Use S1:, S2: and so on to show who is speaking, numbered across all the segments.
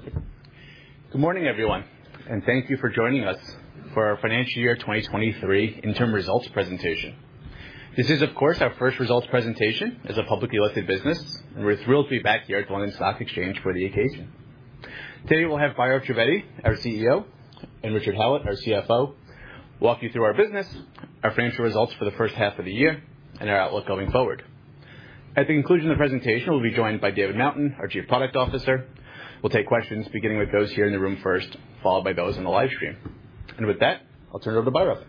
S1: Good morning, everyone, and thank you for joining us for our financial year 2023 interim results presentation. This is, of course, our first results presentation as a publicly listed business, and we're thrilled to be back here at the London Stock Exchange for the occasion. Today, we'll have Bhairav Trivedi, our CEO, and Richard Hallett, our CFO, walk you through our business, our financial results for the first half of the year, and our outlook going forward. At the conclusion of the presentation, we'll be joined by David Mountain, our Chief Product Officer. We'll take questions, beginning with those here in the room first, followed by those in the live stream. And with that, I'll turn it over to Bhairav.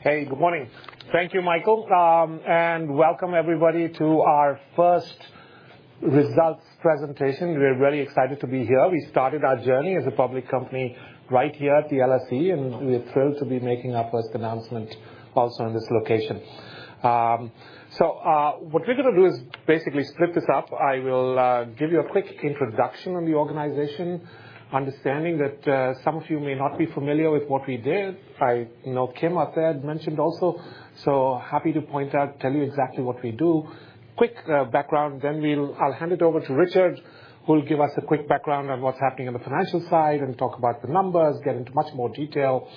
S2: Hey, good morning. Thank you, Michael, and welcome everybody to our first results presentation. We're very excited to be here. We started our journey as a public company right here at the LSE, and we're thrilled to be making our first announcement also in this location. So, what we're going to do is basically split this up. I will give you a quick introduction on the organization, understanding that some of you may not be familiar with what we did. I know Kim up there had mentioned also, so happy to point out, tell you exactly what we do. Quick background, then I'll hand it over to Richard, who will give us a quick background on what's happening on the financial side and talk about the numbers, get into much more detail.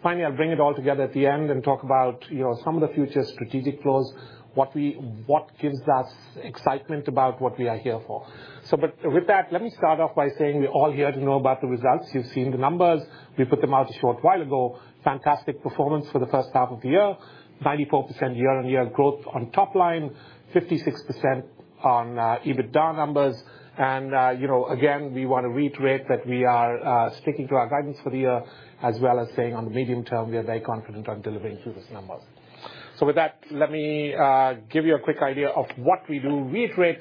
S2: Finally, I'll bring it all together at the end and talk about, you know, some of the future strategic flows, what gives us excitement about what we are here for. So but with that, let me start off by saying we're all here to know about the results. You've seen the numbers. We put them out a short while ago. Fantastic performance for the first half of the year, 94% year-on-year growth on top line, 56% on EBITDA numbers, and, you know, again, we want to reiterate that we are sticking to our guidance for the year, as well as saying on the medium term, we are very confident on delivering to these numbers. So with that, let me give you a quick idea of what we do. Reiterate,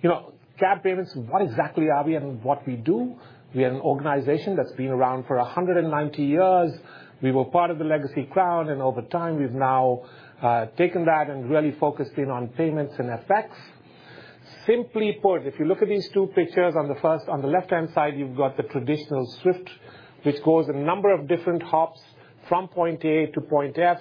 S2: you know, CAB Payments, what exactly are we and what we do? We are an organization that's been around for 190 years. We were part of the legacy Crown, and over time, we've now taken that and really focused in on payments and FX. Simply put, if you look at these two pictures, on the first, on the left-hand side, you've got the traditional SWIFT, which goes a number of different hops from point A to point F.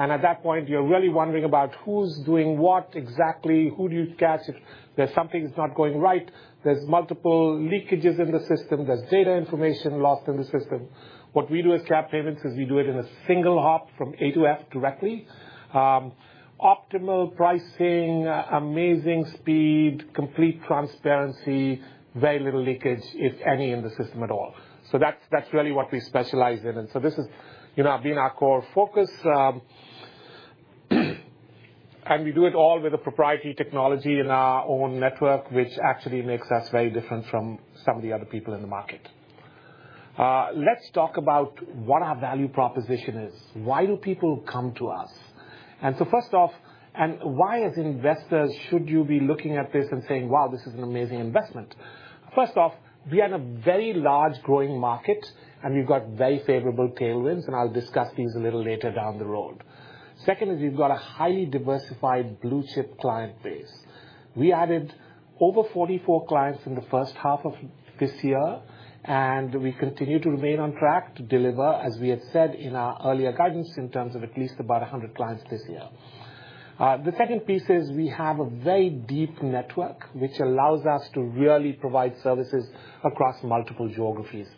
S2: And at that point, you're really wondering about who's doing what, exactly, who do you catch? If there's something is not going right, there's multiple leakages in the system, there's data information lost in the system. What we do as CAB Payments is we do it in a single hop from A to F directly. Optimal pricing, amazing speed, complete transparency, very little leakage, if any, in the system at all. So that's, that's really what we specialize in. This is, you know, have been our core focus, and we do it all with a proprietary technology in our own network, which actually makes us very different from some of the other people in the market. Let's talk about what our value proposition is. Why do people come to us? First off, and why, as investors, should you be looking at this and saying, "Wow, this is an amazing investment?" First off, we are in a very large growing market, and we've got very favorable tailwinds, and I'll discuss these a little later down the road. Second is we've got a highly diversified blue-chip client base. We added over 44 clients in the first half of this year, and we continue to remain on track to deliver, as we had said in our earlier guidance, in terms of at least about 100 clients this year. The second piece is we have a very deep network, which allows us to really provide services across multiple geographies.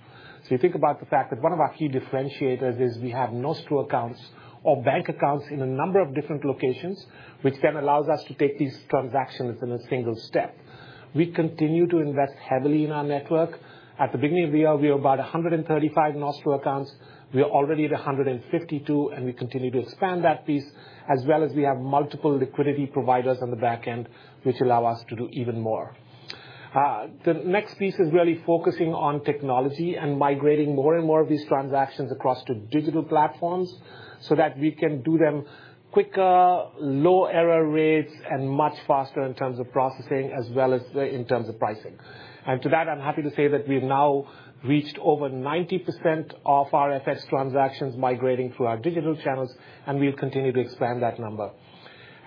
S2: So you think about the fact that one of our key differentiators is we have Nostro accounts or bank accounts in a number of different locations, which then allows us to take these transactions in a single step. We continue to invest heavily in our network. At the beginning of the year, we were about 135 Nostro accounts. We are already at 152, and we continue to expand that piece, as well as we have multiple liquidity providers on the back end, which allow us to do even more. The next piece is really focusing on technology and migrating more and more of these transactions across to digital platforms so that we can do them quicker, low error rates, and much faster in terms of processing as well as the, in terms of pricing. And to that, I'm happy to say that we've now reached over 90% of our FX transactions migrating through our digital channels, and we'll continue to expand that number.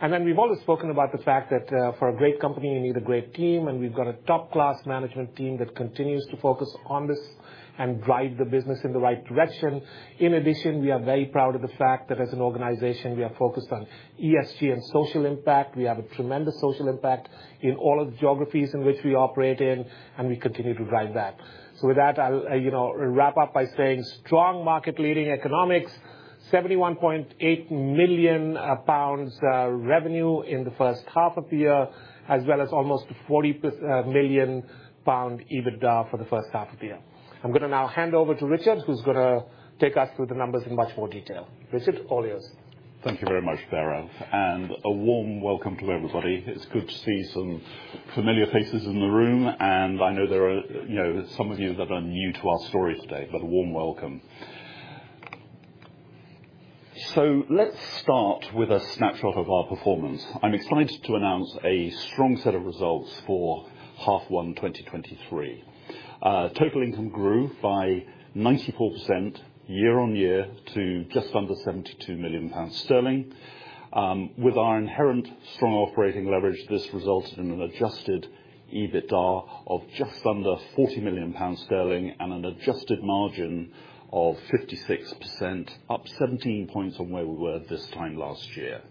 S2: And then we've always spoken about the fact that, for a great company, you need a great team, and we've got a top-class management team that continues to focus on this and drive the business in the right direction. In addition, we are very proud of the fact that as an organization, we are focused on ESG and social impact. We have a tremendous social impact in all of the geographies in which we operate in, and we continue to drive that. So with that, I'll, you know, wrap up by saying strong market-leading economics, 71.8 million pounds revenue in the first half of the year, as well as almost 40 million pound EBITDA for the first half of the year. I'm going to now hand over to Richard, who's going to take us through the numbers in much more detail. Richard, all yours.
S1: Thank you very much, Bhairav, and a warm welcome to everybody. It's good to see some familiar faces in the room, and I know there are, you know, some of you that are new to our story today, but a warm welcome. So let's start with a snapshot of our performance. I'm excited to announce a strong set of results for H1 2023. Total income grew by 94% year-on-year to just under 72 million sterling. With our inherent strong operating leverage, this resulted in an adjusted EBITDA of just under 40 million sterling and an adjusted margin of 56%, up 17 points from where we were this time last year....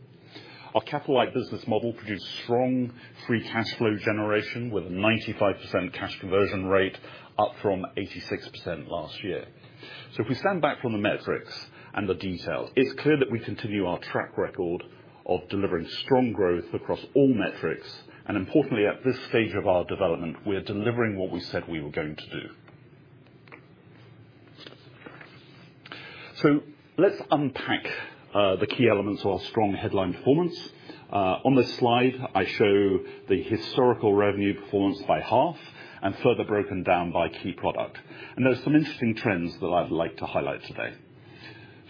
S3: Our capital-light business model produced strong free cash flow generation with a 95% cash conversion rate, up from 86% last year. So if we stand back from the metrics and the details, it's clear that we continue our track record of delivering strong growth across all metrics, and importantly, at this stage of our development, we are delivering what we said we were going to do. So let's unpack the key elements of our strong headline performance. On this slide, I show the historical revenue performance by half and further broken down by key product, and there's some interesting trends that I'd like to highlight today.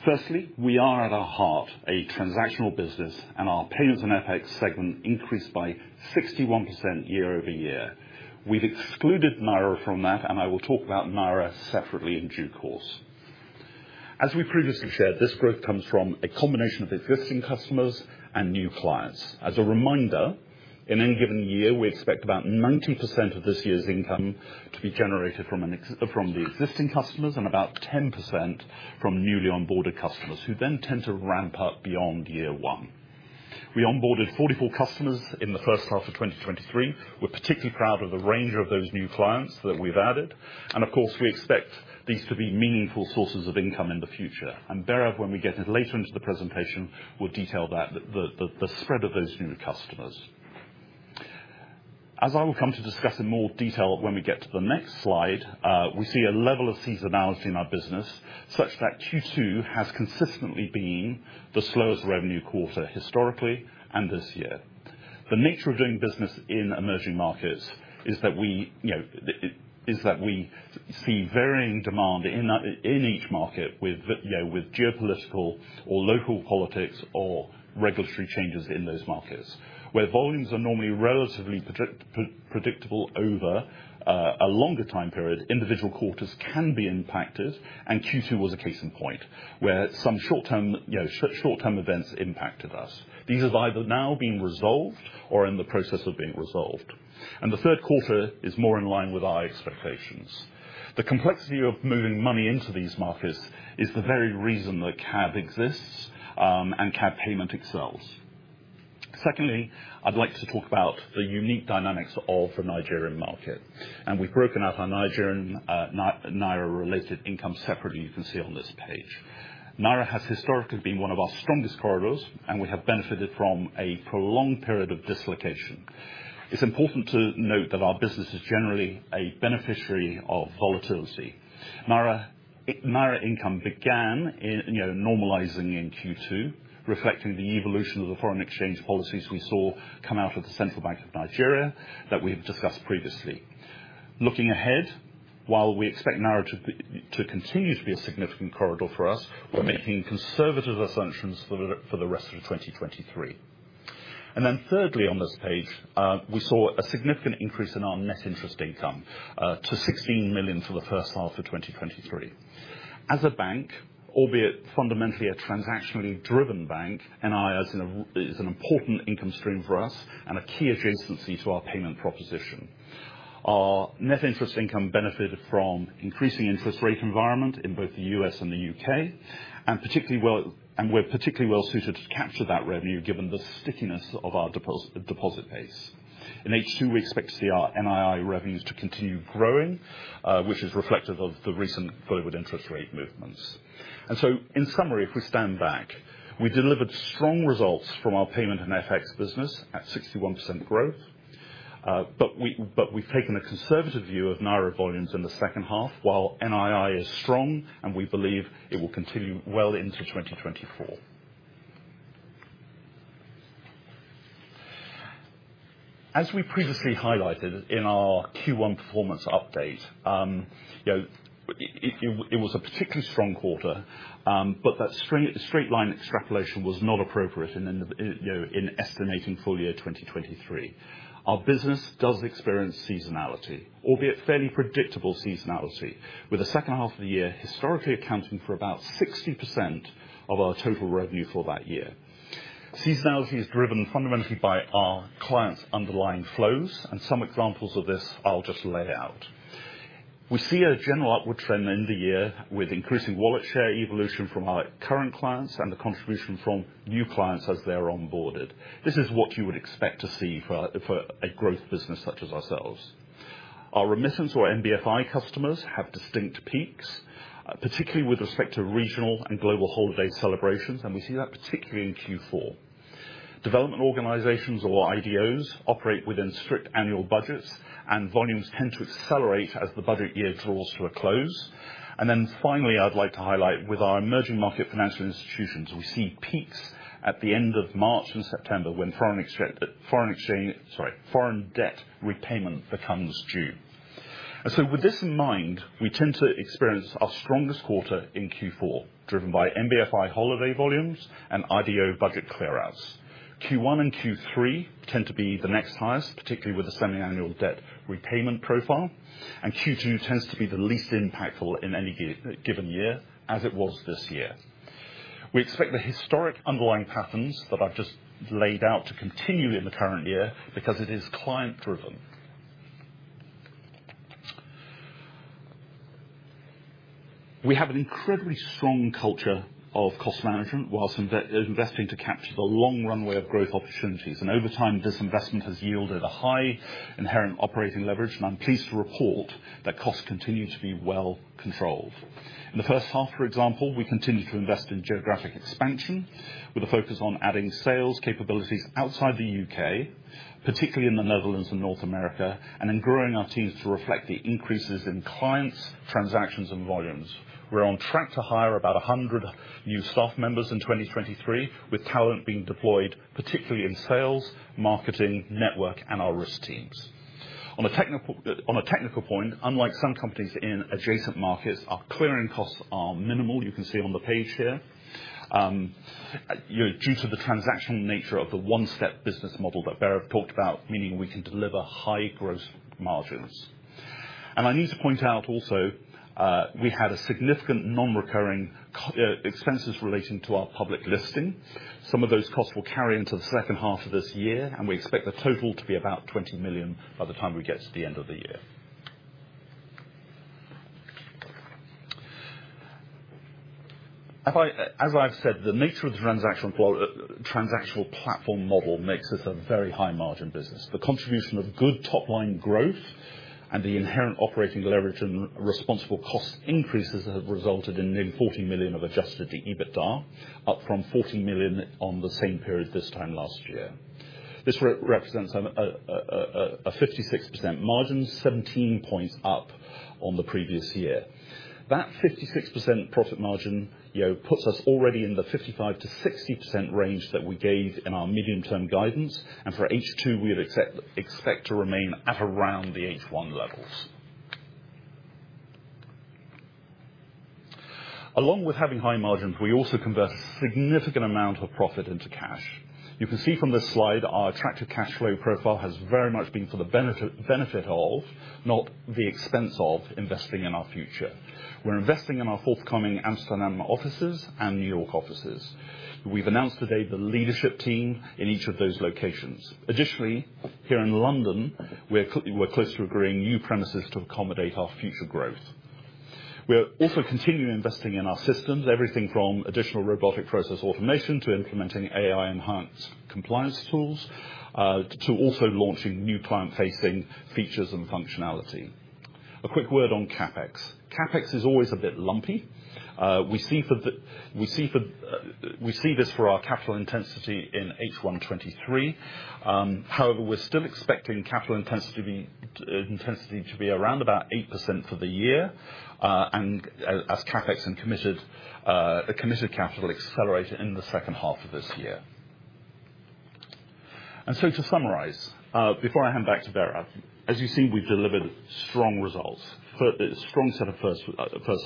S3: Firstly, we are at our heart a transactional business, and our payments and FX segment increased by 61% year-over-year. We've excluded Naira from that, and I will talk about Naira separately in due course. As we previously shared, this growth comes from a combination of existing customers and new clients. As a reminder, in any given year, we expect about 90% of this year's income to be generated from the existing customers and about 10% from newly onboarded customers, who then tend to ramp up beyond year one. We onboarded 44 customers in the first half of 2023. We're particularly proud of the range of those new clients that we've added, and of course, we expect these to be meaningful sources of income in the future. And thereof, when we get later into the presentation, we'll detail that, the spread of those new customers. As I will come to discuss in more detail when we get to the next slide, we see a level of seasonality in our business such that Q2 has consistently been the slowest revenue quarter historically and this year. The nature of doing business in emerging markets is that we, you know, it is that we see varying demand in that, in each market with, you know, with geopolitical or local politics or regulatory changes in those markets, where volumes are normally relatively predictable over a longer time period, individual quarters can be impacted, and Q2 was a case in point, where some short-term, you know, short-term events impacted us. These have either now been resolved or in the process of being resolved, and the third quarter is more in line with our expectations. The complexity of moving money into these markets is the very reason that CAB Payments exists, and CAB Payments excels. Secondly, I'd like to talk about the unique dynamics of the Nigerian market, and we've broken out our Nigerian, Naira-related income separately, you can see on this page. Naira has historically been one of our strongest corridors, and we have benefited from a prolonged period of dislocation. It's important to note that our business is generally a beneficiary of volatility. Naira income began in, you know, normalizing in Q2, reflecting the evolution of the foreign exchange policies we saw come out of the Central Bank of Nigeria that we've discussed previously. Looking ahead, while we expect Naira to be, to continue to be a significant corridor for us, we're making conservative assumptions for the, for the rest of 2023. Thirdly, on this page, we saw a significant increase in our net interest income to 16 million for the first half of 2023. As a bank, albeit fundamentally a transactionally driven bank, NII is an important income stream for us and a key adjacency to our payment proposition. Our net interest income benefited from increasing interest rate environment in both the U.S. and the U.K., and particularly well, and we're particularly well suited to capture that revenue, given the stickiness of our deposit base. In H2, we expect to see our NII revenues to continue growing, which is reflective of the recent forward interest rate movements. In summary, if we stand back, we delivered strong results from our payment and FX business at 61% growth, but we've taken a conservative view of Naira volumes in the second half, while NII is strong, and we believe it will continue well into 2024. As we previously highlighted in our Q1 performance update, you know, it was a particularly strong quarter, but that straight line extrapolation was not appropriate in estimating full year 2023. Our business does experience seasonality, albeit fairly predictable seasonality, with the second half of the year historically accounting for about 60% of our total revenue for that year. Seasonality is driven fundamentally by our clients' underlying flows, and some examples of this I'll just lay out. We see a general upward trend in the year with increasing wallet share evolution from our current clients and the contribution from new clients as they are onboarded. This is what you would expect to see for a growth business such as ourselves. Our remittance or NBFI customers have distinct peaks, particularly with respect to regional and global holiday celebrations, and we see that particularly in Q4. Development organizations or IDOs operate within strict annual budgets, and volumes tend to accelerate as the budget year draws to a close. And then finally, I'd like to highlight with our emerging market financial institutions, we see peaks at the end of March and September, when foreign exchange... Sorry, foreign debt repayment becomes due. And so with this in mind, we tend to experience our strongest quarter in Q4, driven by NBFI holiday volumes and IDO budget clear outs. Q1 and Q3 tend to be the next highest, particularly with the semiannual debt repayment profile, and Q2 tends to be the least impactful in any given year, as it was this year. We expect the historic underlying patterns that I've just laid out to continue in the current year because it is client-driven. We have an incredibly strong culture of cost management, while investing to capture the long runway of growth opportunities. Over time, this investment has yielded a high inherent operating leverage, and I'm pleased to report that costs continue to be well controlled. In the first half, for example, we continued to invest in geographic expansion, with a focus on adding sales capabilities outside the UK, particularly in the Netherlands and North America, and in growing our teams to reflect the increases in clients, transactions, and volumes. We're on track to hire about 100 new staff members in 2023, with talent being deployed, particularly in sales, marketing, network, and our risk teams. On a technical point, unlike some companies in adjacent markets, our clearing costs are minimal. You can see on the page here. You know, due to the transactional nature of the one-step business model that Bhairav talked about, meaning we can deliver high gross margins. I need to point out also, we had a significant non-recurring costs expenses relating to our public listing. Some of those costs will carry into the second half of this year, and we expect the total to be about 20 million by the time we get to the end of the year. As I've said, the nature of the transactional platform model makes us a very high margin business. The contribution of good top-line growth and the inherent operating leverage and responsible cost increases have resulted in near 40 million of adjusted EBITDA, up from 40 million on the same period this time last year. This represents a 56% margin, 17 points up on the previous year. That 56% profit margin, you know, puts us already in the 55%-60% range that we gave in our medium-term guidance, and for H2, we'd expect to remain at around the H1 levels. Along with having high margins, we also convert a significant amount of profit into cash. You can see from this slide, our attractive cash flow profile has very much been for the benefit of, not the expense of, investing in our future. We're investing in our forthcoming Amsterdam offices and New York offices. We've announced today the leadership team in each of those locations. Additionally, here in London, we're close to agreeing new premises to accommodate our future growth. We are also continuing investing in our systems, everything from additional robotic process automation to implementing AI-enhanced compliance tools, to also launching new client-facing features and functionality. A quick word on CapEx. CapEx is always a bit lumpy. We see this for our capital intensity in H1 2023. However, we're still expecting capital intensity to be around about 8% for the year, and as CapEx and a committed capital accelerator in the second half of this year. So to summarize, before I hand back to Bhairav, as you've seen, we've delivered strong results for a strong set of first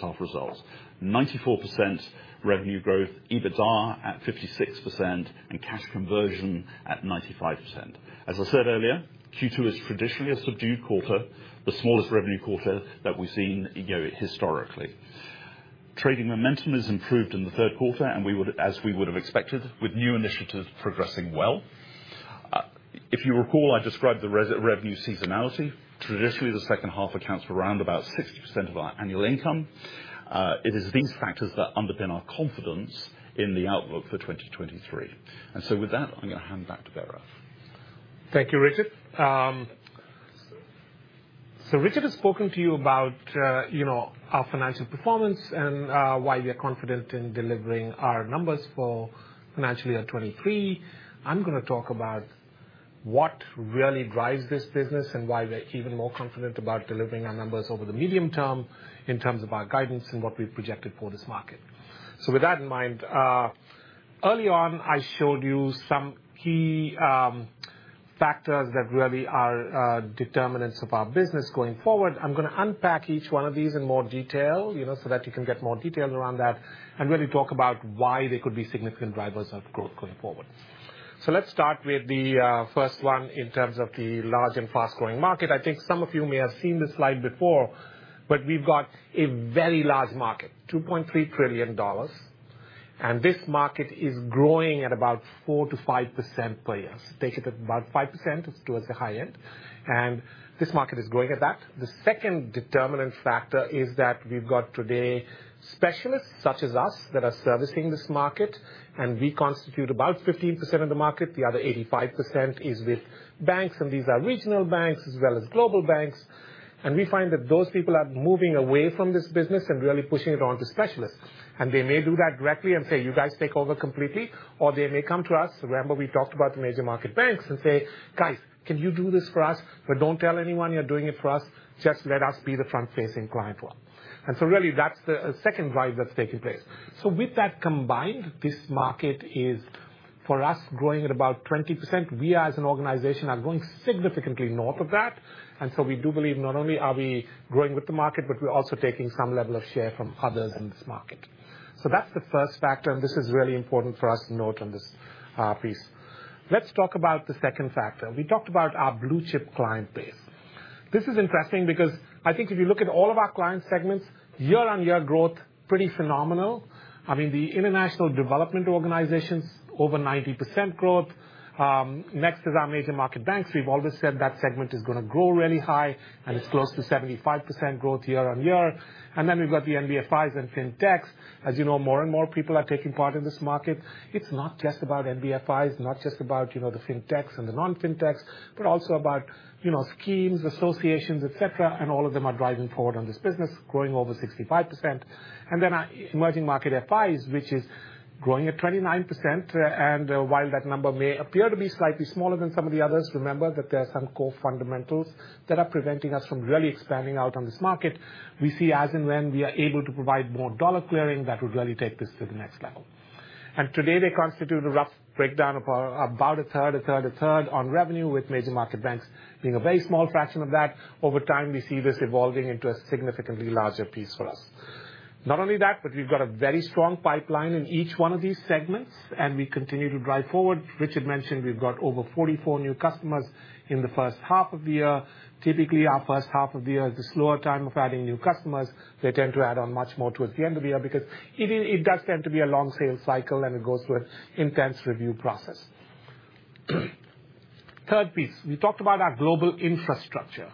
S3: half results. 94% revenue growth, EBITDA at 56%, and cash conversion at 95%. As I said earlier, Q2 is traditionally a subdued quarter, the smallest revenue quarter that we've seen, you know, historically. Trading momentum has improved in the third quarter, and as we would have expected, with new initiatives progressing well. If you recall, I described the revenue seasonality. Traditionally, the second half accounts for around about 60% of our annual income. It is these factors that underpin our confidence in the outlook for 2023. So with that, I'm going to hand back to Bhairav.
S2: Thank you, Richard. So Richard has spoken to you about, you know, our financial performance and why we are confident in delivering our numbers for FY 23. I'm going to talk about what really drives this business and why we're even more confident about delivering our numbers over the medium term in terms of our guidance and what we've projected for this market. So with that in mind, early on, I showed you some key factors that really are determinants of our business going forward. I'm gonna unpack each one of these in more detail, you know, so that you can get more detail around that, and really talk about why they could be significant drivers of growth going forward. So let's start with the first one in terms of the large and fast-growing market. I think some of you may have seen this slide before, but we've got a very large market, $2.3 trillion, and this market is growing at about 4%-5% per year. Take it at about 5%, it's towards the high end, and this market is growing at that. The second determinant factor is that we've got today specialists such as us, that are servicing this market, and we constitute about 15% of the market. The other 85% is with banks, and these are regional banks as well as global banks. And we find that those people are moving away from this business and really pushing it on to specialists. And they may do that directly and say, "You guys take over completely," or they may come to us, remember, we talked about the major market banks and say, "Guys, can you do this for us, but don't tell anyone you're doing it for us? Just let us be the front-facing client for them." And so really, that's the second drive that's taking place. So with that combined, this market is, for us, growing at about 20%. We, as an organization, are growing significantly north of that, and so we do believe not only are we growing with the market, but we're also taking some level of share from others in this market. So that's the first factor, and this is really important for us to note on this piece. Let's talk about the second factor. We talked about our blue-chip client base. This is interesting because I think if you look at all of our client segments, year-on-year growth, pretty phenomenal. I mean, the international development organizations, over 90% growth. Next is our major market banks. We've always said that segment is gonna grow really high, and it's close to 75% growth year-on-year. And then we've got the NBFIs and Fintechs. As you know, more and more people are taking part in this market. It's not just about NBFIs, not just about, you know, the Fintechs and the non-Fintechs, but also about, you know, schemes, associations, et cetera, and all of them are driving forward on this business, growing over 65%. And then our emerging market FIs, which is growing at 29%. While that number may appear to be slightly smaller than some of the others, remember that there are some core fundamentals that are preventing us from really expanding out on this market. We see as and when we are able to provide more dollar clearing, that would really take this to the next level. And today, they constitute a rough breakdown of our about a third, a third, a third on revenue, with major market banks being a very small fraction of that. Over time, we see this evolving into a significantly larger piece for us. Not only that, but we've got a very strong pipeline in each one of these segments, and we continue to drive forward. Richard mentioned we've got over 44 new customers in the first half of the year. Typically, our first half of the year is a slower time of adding new customers. They tend to add on much more towards the end of the year because it does tend to be a long sales cycle, and it goes through an intense review process. Third piece, we talked about our global infrastructure.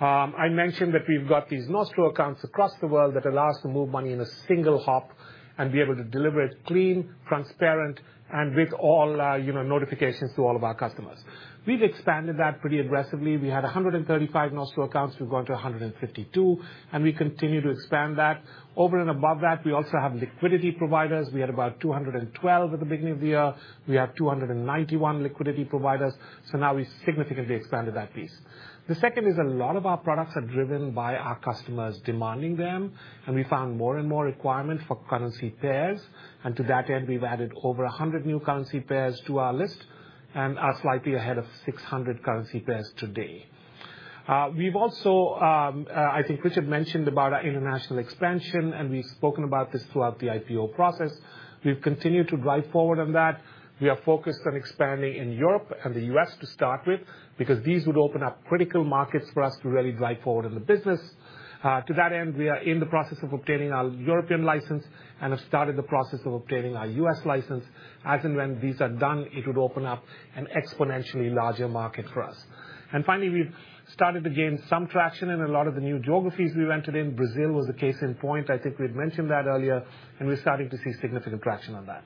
S2: I mentioned that we've got these Nostro accounts across the world that allow us to move money in a single hop and be able to deliver it clean, transparent, and with all, you know, notifications to all of our customers. We've expanded that pretty aggressively. We had 135 Nostro accounts, we've gone to 152, and we continue to expand that. Over and above that, we also have liquidity providers. We had about 212 at the beginning of the year. We have 291 liquidity providers, so now we significantly expanded that piece. The second is a lot of our products are driven by our customers demanding them, and we found more and more requirement for currency pairs. And to that end, we've added over 100 new currency pairs to our list and are slightly ahead of 600 currency pairs today. We've also, I think Richard mentioned about our international expansion, and we've spoken about this throughout the IPO process. We've continued to drive forward on that. We are focused on expanding in Europe and the U.S. to start with, because these would open up critical markets for us to really drive forward in the business. To that end, we are in the process of obtaining our European license and have started the process of obtaining our U.S. license. As and when these are done, it would open up an exponentially larger market for us. Finally, we've started to gain some traction in a lot of the new geographies we entered in. Brazil was a case in point. I think we've mentioned that earlier, and we're starting to see significant traction on that.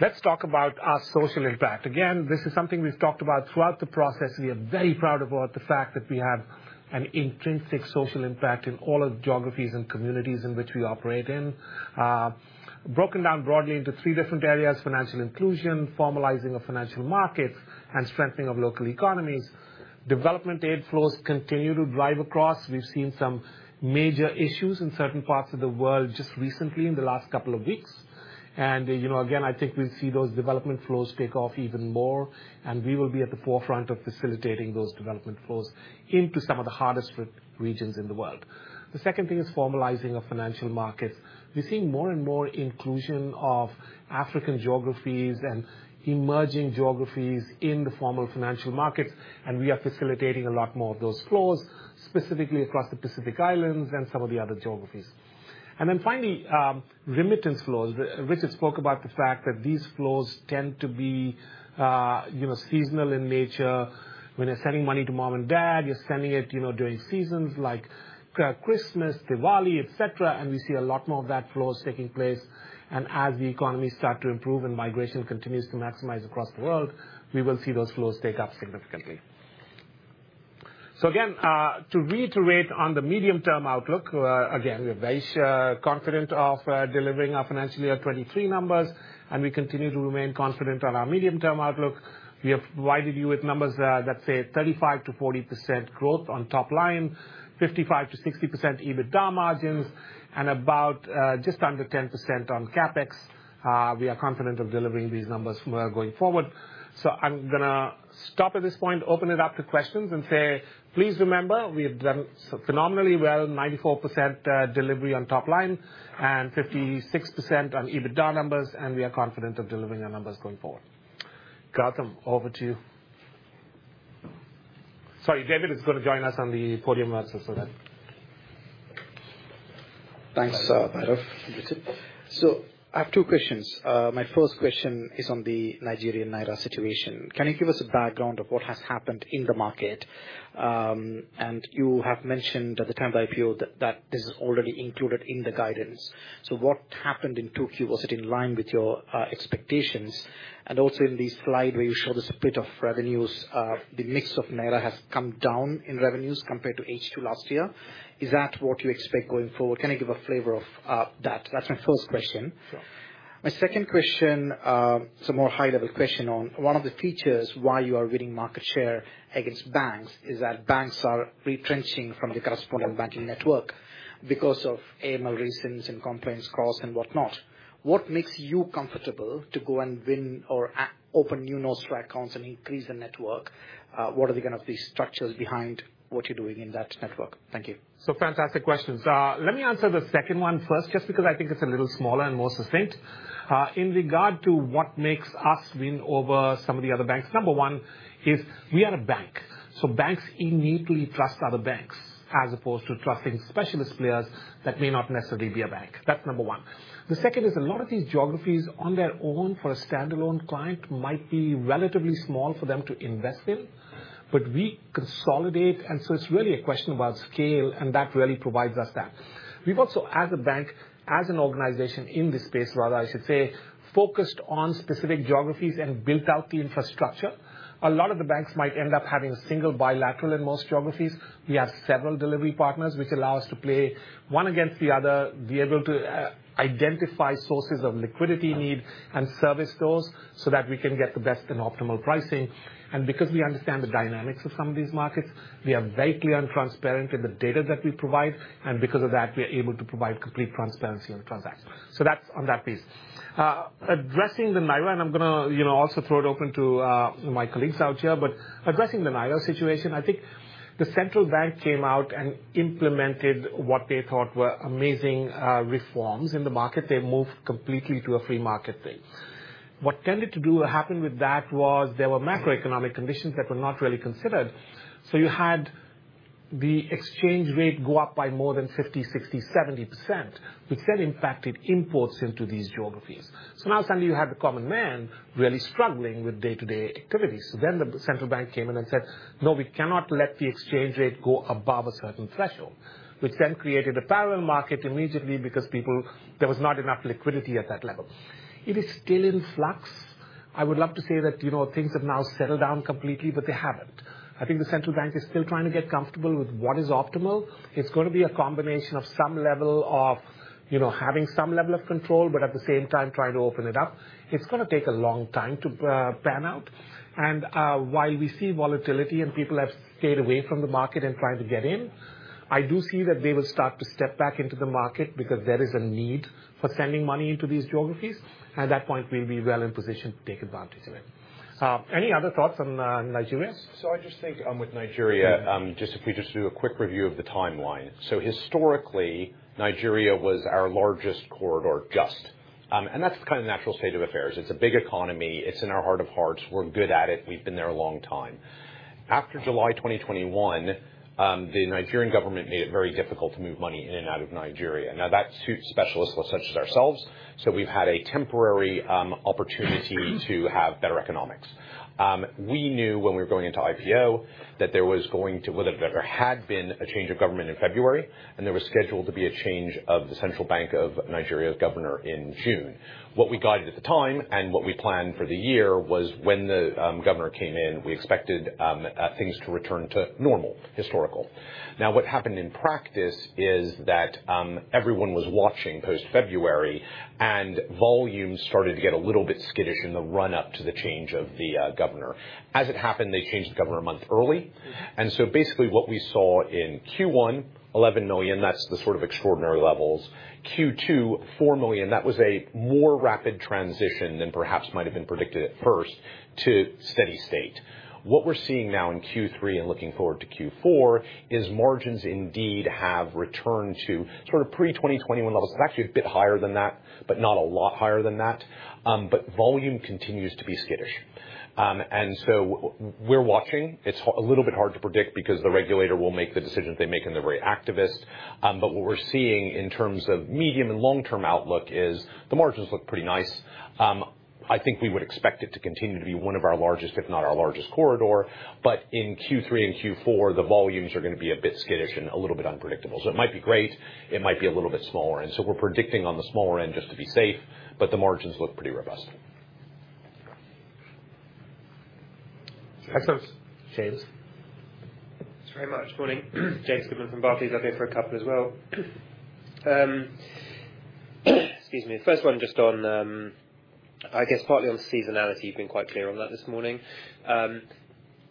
S2: Let's talk about our social impact. Again, this is something we've talked about throughout the process. We are very proud about the fact that we have an intrinsic social impact in all our geographies and communities in which we operate in. Broken down broadly into three different areas: financial inclusion, formalizing of financial markets, and strengthening of local economies. Development aid flows continue to drive across. We've seen some major issues in certain parts of the world just recently in the last couple of weeks. You know, again, I think we'll see those development flows take off even more, and we will be at the forefront of facilitating those development flows into some of the hardest-hit regions in the world. The second thing is formalizing of financial markets. We're seeing more and more inclusion of African geographies and emerging geographies in the formal financial markets, and we are facilitating a lot more of those flows, specifically across the Pacific Islands and some of the other geographies. Then finally, remittance flows. Richard spoke about the fact that these flows tend to be, you know, seasonal in nature. When you're sending money to mom and dad, you're sending it, you know, during seasons like Christmas, Diwali, et cetera, and we see a lot more of that flows taking place. As the economies start to improve and migration continues to maximize across the world, we will see those flows take up significantly. So again, to reiterate on the medium-term outlook, again, we are very, confident of, delivering our financial year 2023 numbers, and we continue to remain confident on our medium-term outlook. We have provided you with numbers, that say 35%-40% growth on top line, 55%-60% EBITDA margins, and about, just under 10% on CapEx. We are confident of delivering these numbers, going forward. So I'm gonna stop at this point, open it up to questions and say, please remember, we have done phenomenally well, 94% delivery on top line and 56% on EBITDA numbers, and we are confident of delivering our numbers going forward. Gautam, over to you. Sorry, David is going to join us on the podium also for that.
S4: Thanks, Bhairav. So I have two questions. My first question is on the Nigerian Naira situation. Can you give us a background of what has happened in the market? And you have mentioned at the time of IPO that, that this is already included in the guidance. So what happened in Q2, was it in line with your expectations? And also in the slide where you show the split of revenues, the mix of Naira has come down in revenues compared to H2 last year. Is that what you expect going forward? Can I give a flavor of that? That's my first question.
S2: Sure.
S4: My second question, it's a more high-level question on one of the features why you are winning market share against banks, is that banks are retrenching from the correspondent banking network because of AML reasons and compliance costs and whatnot. What makes you comfortable to go and win or open new Nostro accounts and increase the network? What are the kind of the structures behind what you're doing in that network? Thank you.
S2: So fantastic questions. Let me answer the second one first, just because I think it's a little smaller and more succinct. In regard to what makes us win over some of the other banks, number one is we are a bank. So banks innately trust other banks, as opposed to trusting specialist players that may not necessarily be a bank. That's number one. The second is a lot of these geographies on their own, for a standalone client, might be relatively small for them to invest in, but we consolidate, and so it's really a question about scale, and that really provides us that. We've also, as a bank, as an organization in this space, rather, I should say, focused on specific geographies and built out the infrastructure. A lot of the banks might end up having a single bilateral in most geographies. We have several delivery partners, which allow us to play one against the other, be able to identify sources of liquidity need and service those, so that we can get the best and optimal pricing. And because we understand the dynamics of some of these markets, we are very clear and transparent in the data that we provide, and because of that, we are able to provide complete transparency on the transaction. So that's on that piece. Addressing the Naira, and I'm gonna, you know, also throw it open to my colleagues out here, but addressing the Naira situation, I think the Central Bank came out and implemented what they thought were amazing reforms in the market. They moved completely to a free market thing. What happened with that was there were macroeconomic conditions that were not really considered. So you had the exchange rate go up by more than 50, 60, 70%, which then impacted imports into these geographies. So now suddenly you have the common man really struggling with day-to-day activities. So then the central bank came in and said, "No, we cannot let the exchange rate go above a certain threshold," which then created a parallel market immediately because people—there was not enough liquidity at that level. It is still in flux. I would love to say that, you know, things have now settled down completely, but they haven't. I think the central bank is still trying to get comfortable with what is optimal. It's going to be a combination of some level of, you know, having some level of control, but at the same time trying to open it up. It's going to take a long time to pan out. While we see volatility and people have stayed away from the market and trying to get in, I do see that they will start to step back into the market, because there is a need for sending money into these geographies, and at that point, we'll be well in position to take advantage of it. Any other thoughts on Nigeria?
S5: So I just think, with Nigeria, just if we just do a quick review of the timeline. So historically, Nigeria was our largest corridor, just. And that's kind of the natural state of affairs. It's a big economy. It's in our heart of hearts. We're good at it. We've been there a long time. After July 2021, the Nigerian government made it very difficult to move money in and out of Nigeria. Now, that suits specialists such as ourselves, so we've had a temporary opportunity to have better economics. We knew when we were going into IPO that there was going to— well, that there had been a change of government in February, and there was scheduled to be a change of the Central Bank of Nigeria's governor in June. What we guided at the time and what we planned for the year was when the governor came in, we expected things to return to normal, historical. Now, what happened in practice is that everyone was watching post-February, and volumes started to get a little bit skittish in the run-up to the change of the governor. As it happened, they changed the governor a month early, and so basically what we saw in Q1, 11 million, that's the sort of extraordinary levels. Q2, 4 million, that was a more rapid transition than perhaps might have been predicted at first to steady state. What we're seeing now in Q3 and looking forward to Q4 is margins indeed have returned to sort of pre-2021 levels, and actually a bit higher than that, but not a lot higher than that. But volume continues to be skittish. And so we're watching. It's a little bit hard to predict because the regulator will make the decisions they make, and they're very activist. But what we're seeing in terms of medium and long-term outlook is the margins look pretty nice. I think we would expect it to continue to be one of our largest, if not our largest corridor, but in Q3 and Q4, the volumes are going to be a bit skittish and a little bit unpredictable. So it might be great, it might be a little bit smaller, and so we're predicting on the smaller end just to be safe, but the margins look pretty robust.
S2: Excellent. James?
S6: Thanks very much. Morning. James Goodman from Barclays. I'm here for a couple as well. Excuse me. First one, just on, I guess partly on seasonality. You've been quite clear on that this morning.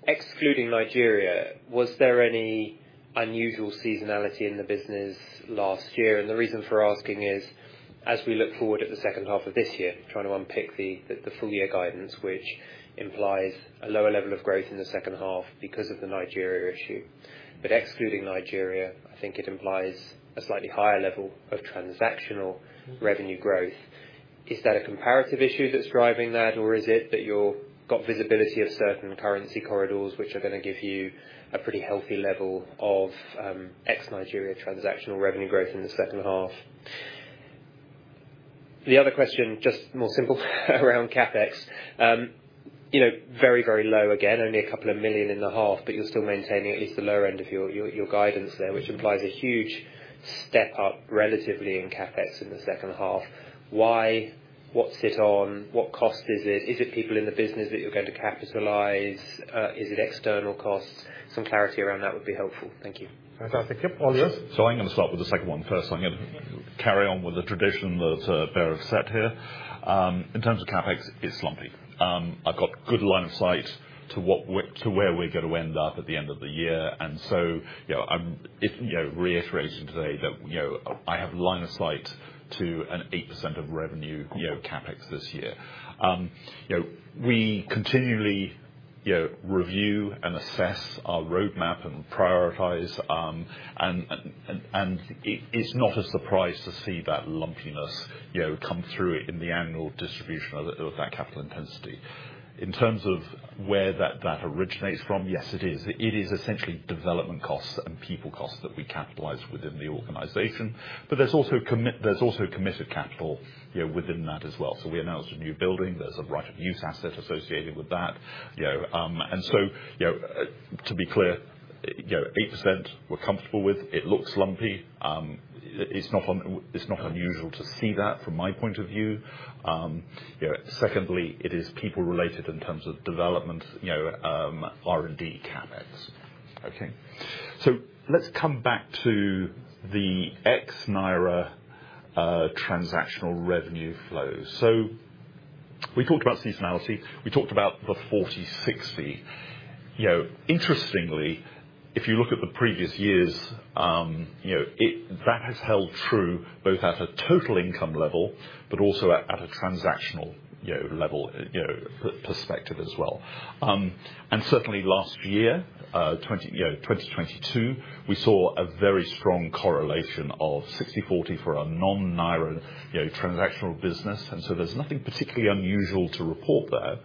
S6: Excluding Nigeria, was there any unusual seasonality in the business last year? And the reason for asking is, as we look forward at the second half of this year, trying to unpick the, the full year guidance, which implies a lower level of growth in the second half because of the Nigeria issue. But excluding Nigeria, I think it implies a slightly higher level of transactional revenue growth. Is that a comparative issue that's driving that, or is it that you've got visibility of certain currency corridors, which are going to give you a pretty healthy level of, ex Nigeria transactional revenue growth in the second half? The other question, just more simple around CapEx. You know, very, very low again, only 2 million in the half, but you're still maintaining at least the lower end of your guidance there, which implies a huge step up relatively in CapEx in the second half. Why? What's it on? What cost is it? Is it people in the business that you're going to capitalize? Is it external costs? Some clarity around that would be helpful. Thank you.
S2: Fantastic. Yep, Richard?
S3: So I'm going to start with the second one first. I'm going to carry on with the tradition that Bear has set here. In terms of CapEx, it's lumpy. I've got good line of sight to where we're going to end up at the end of the year, and so, you know, I'm, you know, reiterating today that, you know, I have line of sight to an 8% of revenue, you know, CapEx this year. You know, we continually, you know, review and assess our roadmap and prioritize, and it's not a surprise to see that lumpiness, you know, come through in the annual distribution of that, of that capital intensity. In terms of where that originates from, yes, it is. It is essentially development costs and people costs that we capitalize within the organization, but there's also committed capital, you know, within that as well. So we announced a new building. There's a right of use asset associated with that, you know, and so, you know, to be clear, you know, 8% we're comfortable with. It looks lumpy. It's not unusual to see that from my point of view. You know, secondly, it is people-related in terms of development, you know, R&D CapEx. Okay, so let's come back to the ex-Naira transactional revenue flow. So we talked about seasonality. We talked about the 40-60. You know, interestingly, if you look at the previous years, you know, it that has held true both at a total income level, but also at a transactional, you know, level, you know, perspective as well. And certainly last year, twenty you know twenty 2022, we saw a very strong correlation of 60/40 for our non-Naira, you know, transactional business, and so there's nothing particularly unusual to report there.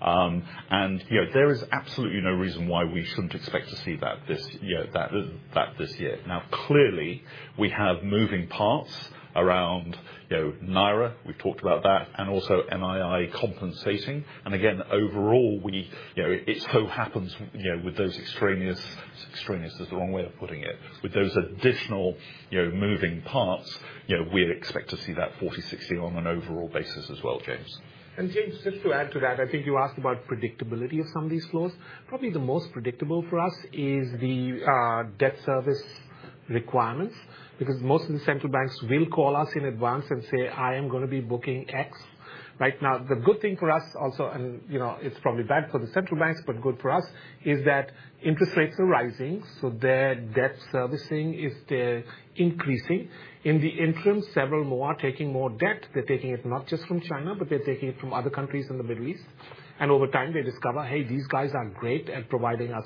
S3: And, you know, there is absolutely no reason why we shouldn't expect to see that this year, that, that, this year. Now, clearly, we have moving parts around, you know, Naira, we've talked about that, and also NII compensating. And again, overall, we, you know, it so happens, you know, with those extraneous, extraneous is the wrong way of putting it. With those additional, you know, moving parts, you know, we'd expect to see that 40/60 on an overall basis as well, James.
S2: James, just to add to that, I think you asked about predictability of some of these flows. Probably the most predictable for us is the debt service requirements, because most of the central banks will call us in advance and say, "I am gonna be booking X." Right now, the good thing for us also, and, you know, it's probably bad for the central banks, but good for us, is that interest rates are rising, so their debt servicing is increasing. In the interim, several more are taking more debt. They're taking it not just from China, but they're taking it from other countries in the Middle East. And over time, they discover, "Hey, these guys are great at providing us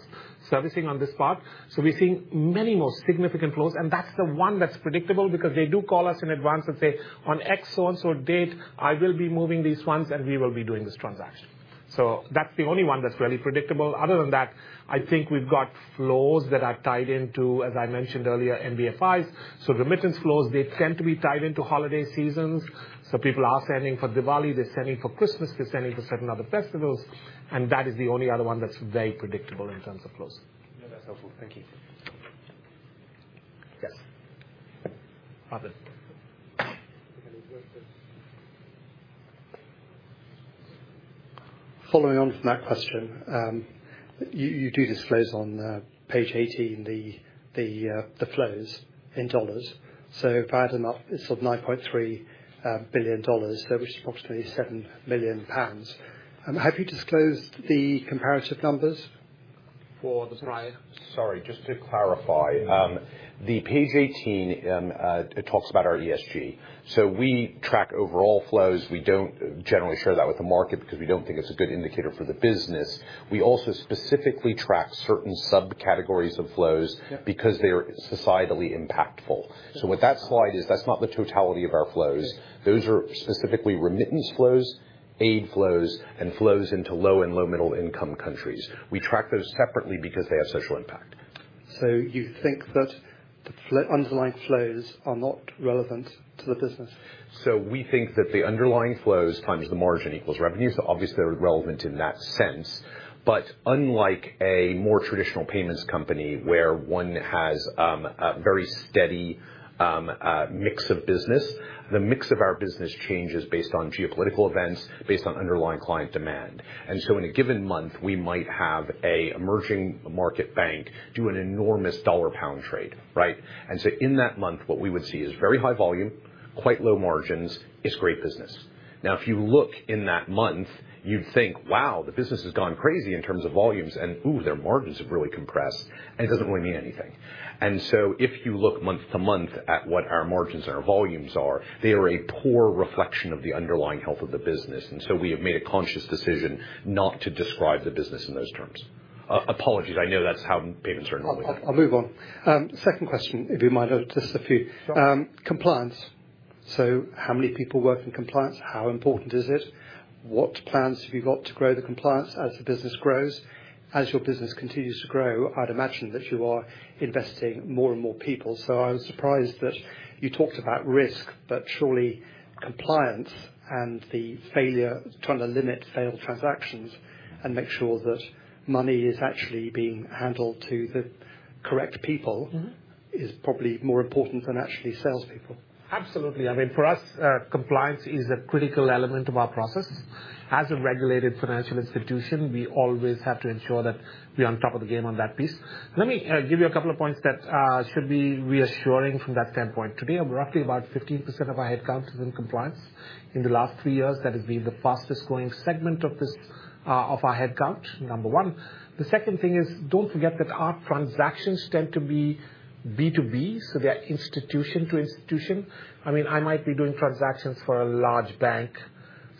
S2: servicing on this part." So we're seeing many more significant flows, and that's the one that's predictable because they do call us in advance and say, "On X so-and-so date, I will be moving these ones, and we will be doing this transaction." So that's the only one that's really predictable. Other than that, I think we've got flows that are tied into, as I mentioned earlier, MBFIs. So remittance flows, they tend to be tied into holiday seasons. So people are sending for Diwali, they're sending for Christmas, they're sending for certain other festivals, and that is the only other one that's very predictable in terms of flows.
S6: Yeah, that's helpful. Thank you.
S3: Yes. Robert?
S7: Following on from that question, you do disclose on page 18, the flows in dollars. So if I add them up, it's sort of $9.3 billion, which is approximately 7 million pounds. Have you disclosed the comparative numbers?
S2: For the prior-
S3: Sorry, just to clarify, the page 18, it talks about our ESG. So we track overall flows. We don't generally share that with the market because we don't think it's a good indicator for the business. We also specifically track certain subcategories of flows-
S7: Yeah.
S3: because they are societally impactful. So what that slide is, that's not the totality of our flows.
S7: Yeah.
S3: Those are specifically remittance flows, aid flows, and flows into low and low-middle-income countries. We track those separately because they have social impact.
S7: So you think that underlying flows are not relevant to the business?
S3: So we think that the underlying flows times the margin equals revenues, so obviously, they're relevant in that sense. But unlike a more traditional payments company, where one has a very steady mix of business, the mix of our business changes based on geopolitical events, based on underlying client demand. And so in a given month, we might have an emerging market bank do an enormous dollar-pound trade, right? And so in that month, what we would see is very high volume, quite low margins. It's great business. Now, if you look in that month, you'd think, "Wow, the business has gone crazy in terms of volumes, and, ooh, their margins have really compressed," and it doesn't really mean anything. If you look month-over-month at what our margins and our volumes are, they are a poor reflection of the underlying health of the business. We have made a conscious decision not to describe the business in those terms. Apologies, I know that's how payments are normally done.
S7: I'll move on. Second question, if you might, just a few.
S3: Sure.
S7: Compliance. So how many people work in compliance? How important is it? What plans have you got to grow the compliance as the business grows? As your business continues to grow, I'd imagine that you are investing more and more people. So I was surprised that you talked about risk, but surely compliance and the failure, trying to limit failed transactions and make sure that money is actually being handled to the correct people.
S2: Mm-hmm.
S7: - is probably more important than actually salespeople.
S2: Absolutely. I mean, for us, compliance is a critical element of our process. As a regulated financial institution, we always have to ensure that we're on top of the game on that piece. Let me give you a couple of points that should be reassuring from that standpoint. Today, roughly about 15% of our headcount is in compliance. In the last three years, that has been the fastest growing segment of this, of our headcount, number one. The second thing is, don't forget that our transactions tend to be B2B, so they are institution to institution. I mean, I might be doing transactions for a large bank,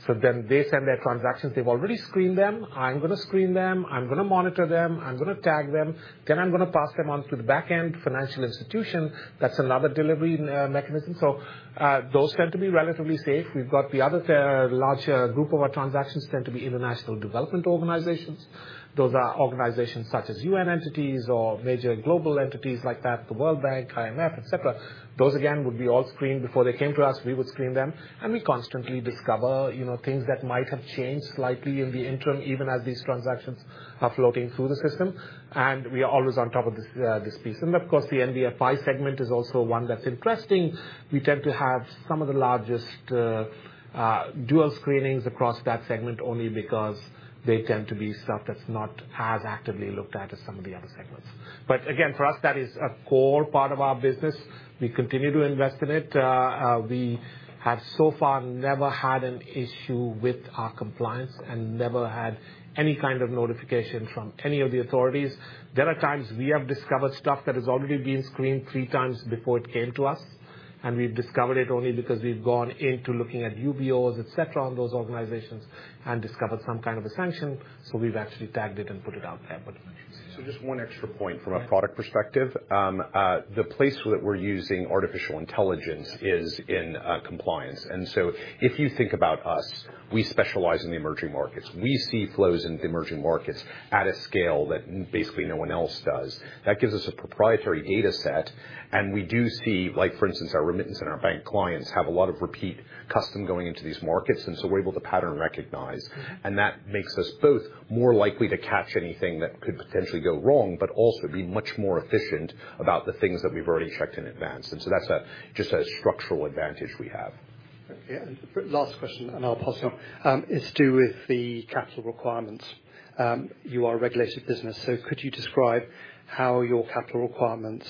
S2: so then they send their transactions. They've already screened them. I'm gonna screen them, I'm gonna monitor them, I'm gonna tag them, then I'm gonna pass them on to the back-end financial institution. That's another delivery mechanism. Those tend to be relatively safe. We've got the other larger group of our transactions tend to be international development organizations. Those are organizations such as U.N. entities or major global entities like that, the World Bank, IMF, et cetera. Those, again, would be all screened before they came to us. We would screen them, and we constantly discover, you know, things that might have changed slightly in the interim, even as these transactions are floating through the system, and we are always on top of this, this piece. Of course, the NBFI segment is also one that's interesting. We tend to have some of the largest, dual screenings across that segment, only because they tend to be stuff that's not as actively looked at as some of the other segments. But again, for us, that is a core part of our business. We continue to invest in it. We have so far never had an issue with our compliance and never had any kind of notification from any of the authorities. There are times we have discovered stuff that has already been screened three times before it came to us, and we've discovered it only because we've gone into looking at UBOs, et cetera, on those organizations and discovered some kind of a sanction. So we've actually tagged it and put it out there.
S3: So just one extra point from a product perspective. The place where we're using artificial intelligence is in compliance. And so if you think about us, we specialize in the emerging markets. We see flows into emerging markets at a scale that basically no one else does. That gives us a proprietary data set, and we do see, like, for instance, our remittance and our bank clients have a lot of repeat custom going into these markets, and so we're able to pattern recognize. And that makes us both more likely to catch anything that could potentially go wrong, but also be much more efficient about the things that we've already checked in advance. And so that's just a structural advantage we have.
S7: Yeah. Last question, and I'll pass it on. It's to do with the capital requirements. You are a regulated business, so could you describe how your capital requirements,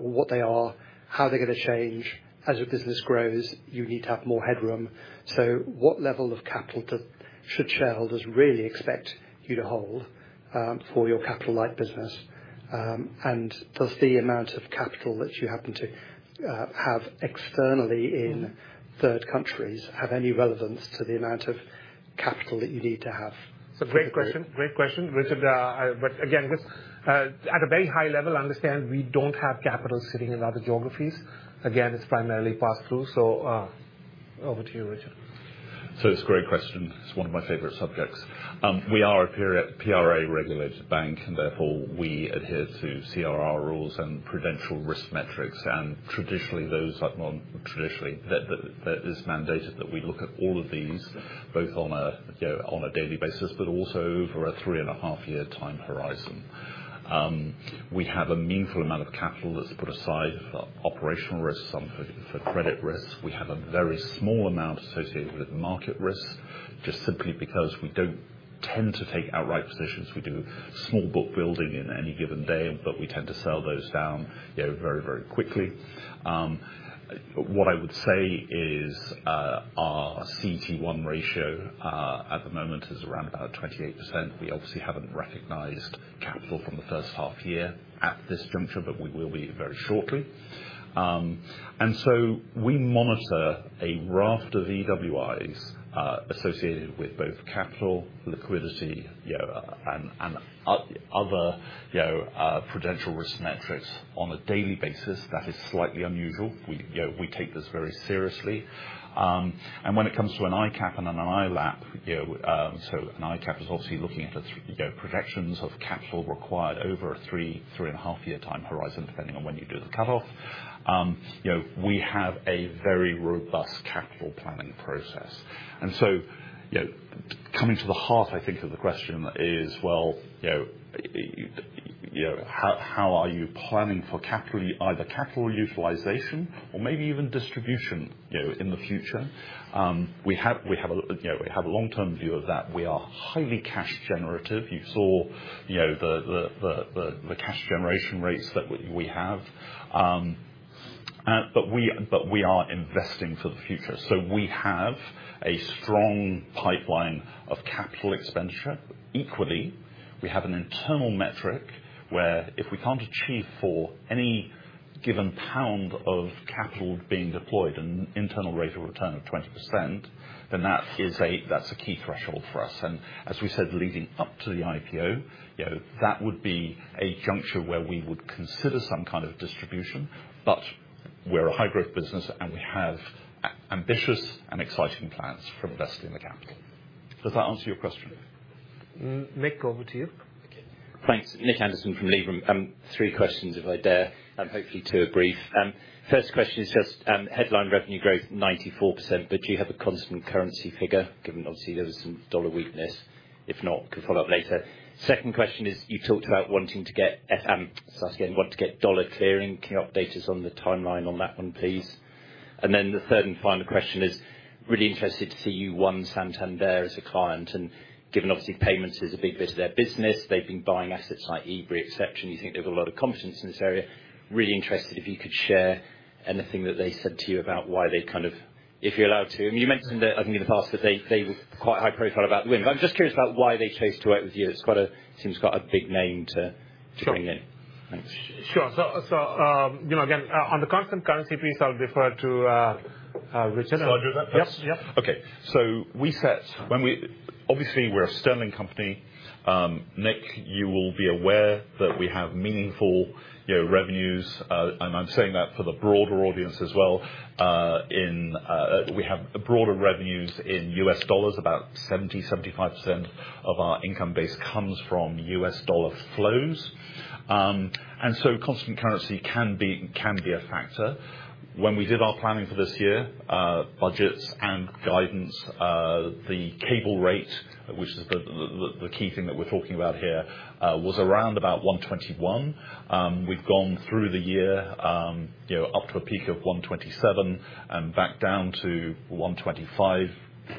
S7: what they are, how they're gonna change? As your business grows, you need to have more headroom, so what level of capital should shareholders really expect you to hold, for your capital-light business? And does the amount of capital that you happen to have externally in third countries have any relevance to the amount of capital that you need to have?
S2: It's a great question. Great question, Richard. But again, at a very high level, understand we don't have capital sitting in other geographies. Again, it's primarily pass-through, so, over to you, Richard.
S3: So it's a great question. It's one of my favorite subjects. We are a PRA-regulated bank, and therefore we adhere to CRR rules and prudential risk metrics. And traditionally, those are... Well, not traditionally, that is mandated that we look at all of these, both on a daily basis, but also over a three-and-a-half-year time horizon. We have a meaningful amount of capital that's put aside for operational risks, some for credit risks. We have a very small amount associated with market risk, just simply because we don't tend to take outright positions. We do small book building in any given day, but we tend to sell those down, you know, very, very quickly. What I would say is, our CET1 ratio at the moment is around about 28%. We obviously haven't recognized capital from the first half year at this juncture, but we will be very shortly. And so we monitor a raft of EWIs associated with both capital, liquidity, you know, and other prudential risk metrics on a daily basis. That is slightly unusual. We, you know, we take this very seriously. And when it comes to an ICAAP and an ILAAP, you know, so an ICAAP is obviously looking at the projections of capital required over a three- to three-and-a-half-year time horizon, depending on when you do the cut-off. You know, we have a very robust capital planning process. So, you know, coming to the heart, I think, of the question is: Well, you know, how are you planning for capital, either capital utilization or maybe even distribution, you know, in the future? We have a long-term view of that. We are highly cash generative. You saw, you know, the cash generation rates that we have. But we are investing for the future, so we have a strong pipeline of capital expenditure. Equally, we have an internal metric where if we can't achieve for any given pound of capital being deployed, an internal rate of return of 20%, then that's a key threshold for us. As we said, leading up to the IPO, you know, that would be a juncture where we would consider some kind of distribution, but we're a high-growth business, and we have ambitious and exciting plans for investing the capital. Does that answer your question?
S2: Mm, Nick, over to you.
S8: Thanks. Nick Anderson from Liberum. Three questions, if I dare, and hopefully two are brief. First question is just, headline revenue growth, 94%, but do you have a constant currency figure, given obviously there was some US dollar weakness? If not, could follow up later. Second question is, you talked about wanting to get FM, so again, want to get US dollar clearing. Can you update us on the timeline on that one, please? And then the third and final question is, really interested to see you won Santander as a client, and given obviously payments is a big bit of their business, they've been buying assets like Ebury. You think they've got a lot of confidence in this area. Really interested if you could share anything that they said to you about why they kind of-... If you're allowed to, and you mentioned it, I think, in the past, that they, they were quite high profile about the win. But I'm just curious about why they chose to work with you. It's quite a, seems quite a big name to-
S2: Sure.
S8: to bring in. Thanks.
S2: Sure. So, you know, again, on the constant currency piece, I'll defer to Richard.
S3: Shall I do that part?
S2: Yep, yep.
S3: Okay. So we set when we obviously, we're a sterling company. Nick, you will be aware that we have meaningful, you know, revenues, and I'm saying that for the broader audience as well. We have broader revenues in US dollars. About 70-75% of our income base comes from US dollar flows. And so constant currency can be a factor. When we did our planning for this year, budgets and guidance, the cable rate, which is the key thing that we're talking about here, was around about 1.21. We've gone through the year, you know, up to a peak of 1.27 and back down to 1.25,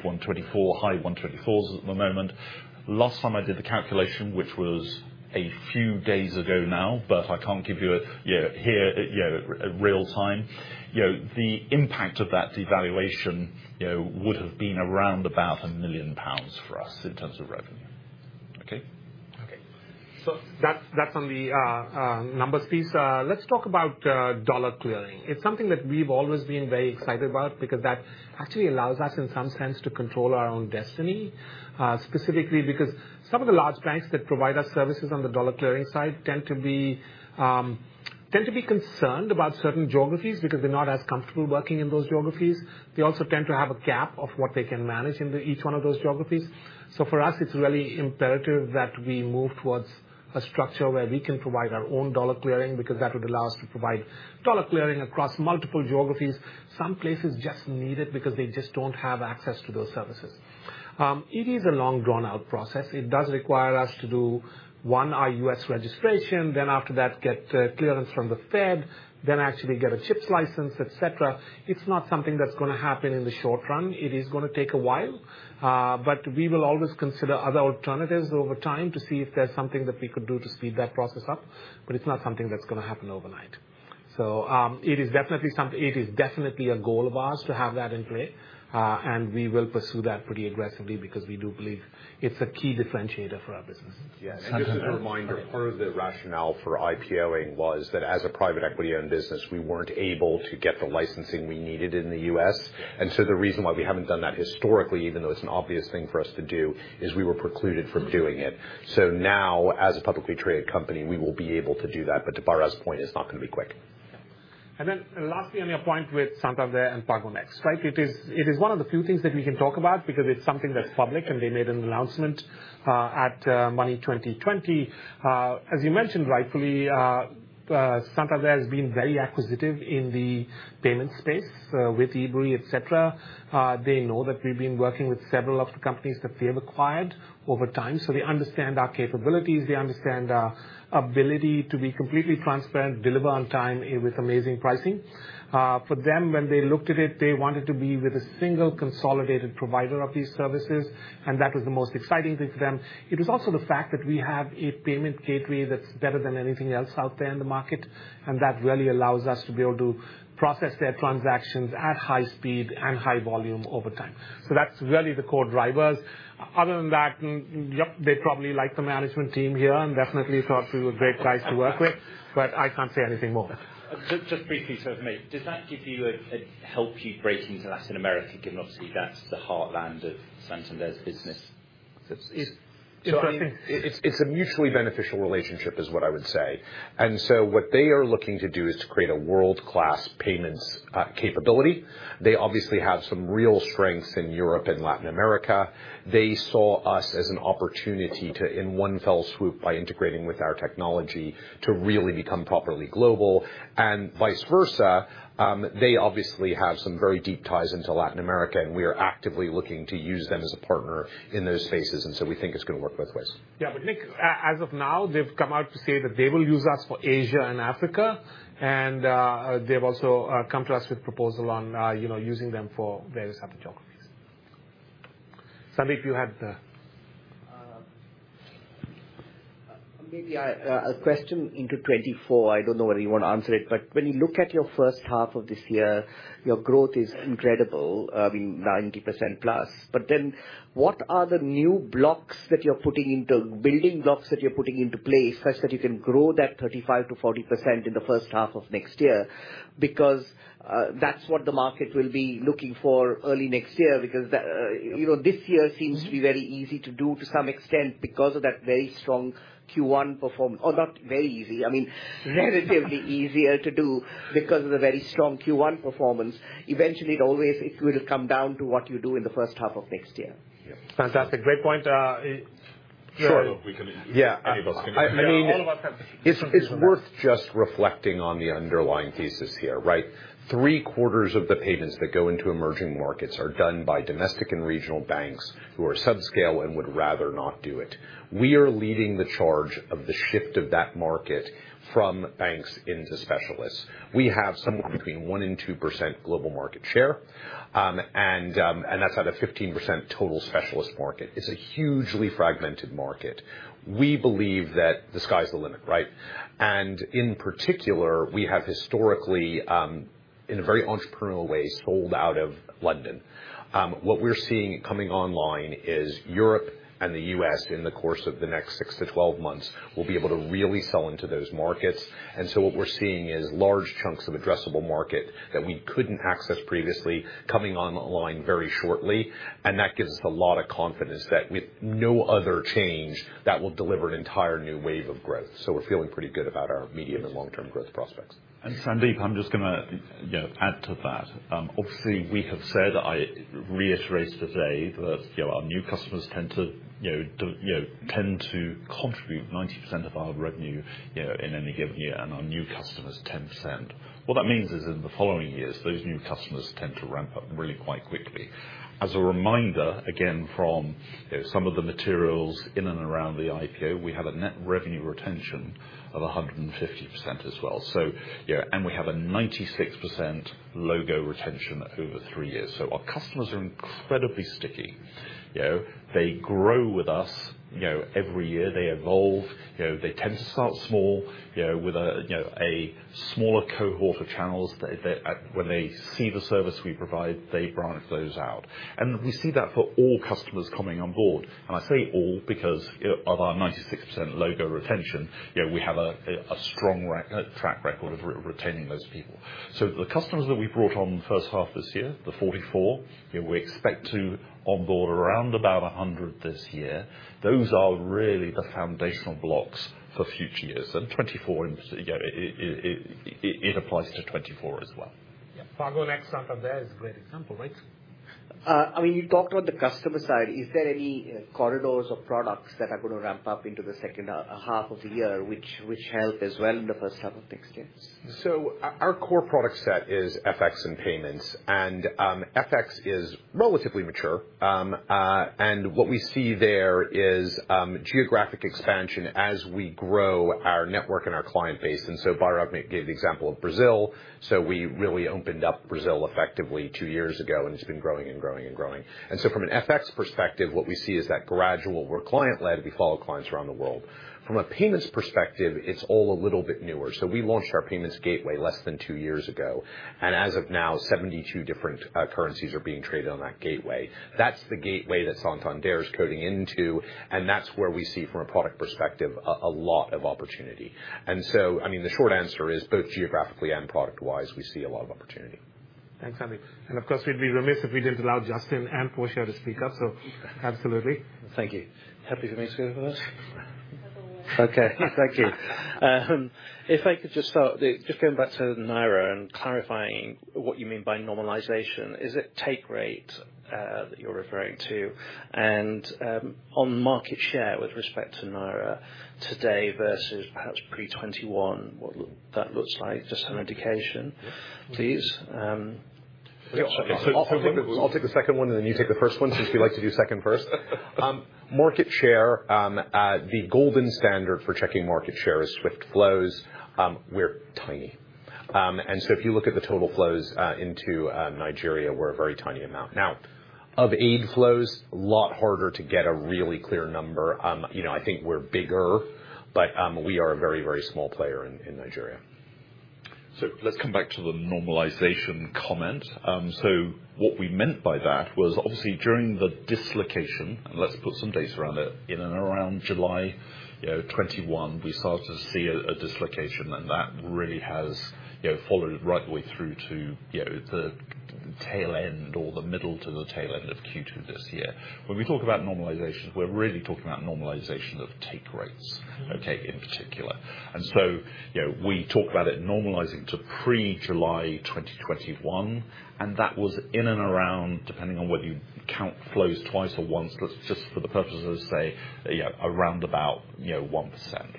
S3: 1.24, high 1.24s at the moment. Last time I did the calculation, which was a few days ago now, but I can't give you a, you know, here, you know, a real time. You know, the impact of that devaluation, you know, would have been around about 1 million pounds for us in terms of revenue. Okay?
S8: Okay.
S2: So that's, that's on the numbers piece. Let's talk about dollar clearing. It's something that we've always been very excited about because that actually allows us, in some sense, to control our own destiny, specifically because some of the large banks that provide us services on the dollar clearing side tend to be, tend to be concerned about certain geographies because they're not as comfortable working in those geographies. They also tend to have a cap of what they can manage in the, each one of those geographies. So for us, it's really imperative that we move towards a structure where we can provide our own dollar clearing, because that would allow us to provide dollar clearing across multiple geographies. Some places just need it, because they just don't have access to those services. It is a long, drawn-out process. It does require us to do, 1, our U.S. registration, then after that, get clearance from the Fed, then actually get a CHIPS license, et cetera. It's not something that's going to happen in the short run. It is going to take a while, but we will always consider other alternatives over time to see if there's something that we could do to speed that process up, but it's not something that's going to happen overnight. So, it is definitely something... It is definitely a goal of ours to have that in play, and we will pursue that pretty aggressively because we do believe it's a key differentiator for our business.
S3: Yes. Just as a reminder, part of the rationale for IPOing was that as a private equity-owned business, we weren't able to get the licensing we needed in the U.S. So the reason why we haven't done that historically, even though it's an obvious thing for us to do, is we were precluded from doing it. Now, as a publicly traded company, we will be able to do that. To Bhairav's point, it's not going to be quick.
S2: And then lastly, on your point with Santander and PagoNxt, right? It is, it is one of the few things that we can talk about because it's something that's public, and they made an announcement at Money20/20. As you mentioned, rightfully, Santander has been very acquisitive in the payment space with Ebury, et cetera. They know that we've been working with several of the companies that they have acquired over time, so they understand our capabilities, they understand our ability to be completely transparent, deliver on time, and with amazing pricing. For them, when they looked at it, they wanted to be with a single, consolidated provider of these services, and that was the most exciting thing to them. It was also the fact that we have a payment gateway that's better than anything else out there in the market, and that really allows us to be able to process their transactions at high speed and high volume over time. That's really the core drivers. Other than that, yep, they probably like the management team here and definitely thought we were great guys to work with, but I can't say anything more.
S8: Just briefly, so for me, does that give you a help you break into Latin America, given obviously, that's the heartland of Santander's business?
S3: It's, it's-
S2: I think-...
S3: it's a mutually beneficial relationship, is what I would say. And so what they are looking to do is to create a world-class payments capability. They obviously have some real strengths in Europe and Latin America. They saw us as an opportunity to, in one fell swoop, by integrating with our technology, to really become properly global, and vice versa, they obviously have some very deep ties into Latin America, and we are actively looking to use them as a partner in those spaces, and so we think it's going to work both ways.
S2: Yeah, but Nick, as of now, they've come out to say that they will use us for Asia and Africa, and they've also come to us with proposal on, you know, using them for various other geographies. Sandip, you had,
S9: Maybe a question into 2024. I don't know whether you want to answer it, but when you look at your first half of this year, your growth is incredible, being 90%+. But then what are the new blocks that you're putting into, building blocks that you're putting into place, such that you can grow that 35%-40% in the first half of next year? Because, that's what the market will be looking for early next year, because the, you know, this year seems to be very easy to do to some extent because of that very strong Q1 performance. Or not very easy, I mean, relatively easier to do because of the very strong Q1 performance. Eventually, it always, it will come down to what you do in the first half of next year.
S2: Fantastic. Great point. ...
S5: Sure. Yeah, I mean, it's worth just reflecting on the underlying thesis here, right? Three-quarters of the payments that go into emerging markets are done by domestic and regional banks who are subscale and would rather not do it. We are leading the charge of the shift of that market from banks into specialists. We have somewhere between 1%-2% global market share, and that's out of 15% total specialist market. It's a hugely fragmented market. We believe that the sky's the limit, right? And in particular, we have historically, in a very entrepreneurial way, sold out of London. What we're seeing coming online is Europe and the US, in the course of the next 6-12 months, will be able to really sell into those markets. And so what we're seeing is large chunks of addressable market that we couldn't access previously, coming online very shortly, and that gives us a lot of confidence that with no other change, that will deliver an entire new wave of growth. So we're feeling pretty good about our medium and long-term growth prospects.
S3: And Sandip, I'm just gonna, you know, add to that. Obviously, we have said, I reiterate today that, you know, our new customers tend to, you know, do, you know, tend to contribute 90% of our revenue, you know, in any given year, and our new customers, 10%. What that means is, in the following years, those new customers tend to ramp up really quite quickly. As a reminder, again, from, you know, some of the materials in and around the IPO, we have a net revenue retention of 150% as well. So, yeah, and we have a 96% logo retention over three years. So our customers are incredibly sticky. You know, they grow with us, you know, every year, they evolve. You know, they tend to start small, you know, with a, you know, a smaller cohort of channels. When they see the service we provide, they branch those out. We see that for all customers coming on board. I say all because of our 96% logo retention, you know, we have a strong track record of retaining those people. The customers that we brought on the first half this year, the 44, you know, we expect to onboard around about 100 this year. Those are really the foundational blocks for future years. Twenty-four, you know, it applies to 2024 as well.
S2: Yeah. PagoNxt Santander is a great example, right?
S10: I mean, you talked about the customer side. Is there any corridors or products that are going to ramp up into the second half of the year, which help as well in the first half of next year?
S5: So our core product set is FX and payments, and FX is relatively mature. And what we see there is geographic expansion as we grow our network and our client base. And so Bhairav gave the example of Brazil. So we really opened up Brazil effectively two years ago, and it's been growing and growing and growing. And so from an FX perspective, what we see is that gradual, we're client-led, we follow clients around the world. From a payments perspective, it's all a little bit newer. So we launched our payments gateway less than two years ago, and as of now, 72 different currencies are being traded on that gateway. That's the gateway that Santander is coding into, and that's where we see from a product perspective, a lot of opportunity. I mean, the short answer is, both geographically and product-wise, we see a lot of opportunity.
S2: Thanks, Sandip. And of course, we'd be remiss if we didn't allow Justin and Portia to speak up, so absolutely.
S11: Thank you. Happy for me to go first? Okay. Thank you. If I could just start, just going back to Naira and clarifying what you mean by normalization. Is it take rate, that you're referring to? And, on market share with respect to Naira today versus perhaps pre-2021, what that looks like, just an indication, please.
S5: I'll take the second one, and then you take the first one, since you like to do second first. Market share, the gold standard for checking market share is SWIFT flows. We're tiny. And so if you look at the total flows into Nigeria, we're a very tiny amount. Now, of aid flows, a lot harder to get a really clear number. You know, I think we're bigger, but we are a very, very small player in Nigeria.
S3: So let's come back to the normalization comment. So what we meant by that was, obviously during the dislocation, and let's put some dates around it, in and around July 2021, you know, we started to see a dislocation, and that really has, you know, followed right the way through to, you know, the tail end or the middle to the tail end of Q2 this year. When we talk about normalization, we're really talking about normalization of take rates, okay, in particular. And so, you know, we talk about it normalizing to pre-July 2021, and that was in and around, depending on whether you count flows twice or once, let's just for the purposes say, yeah, around about, you know, 1%.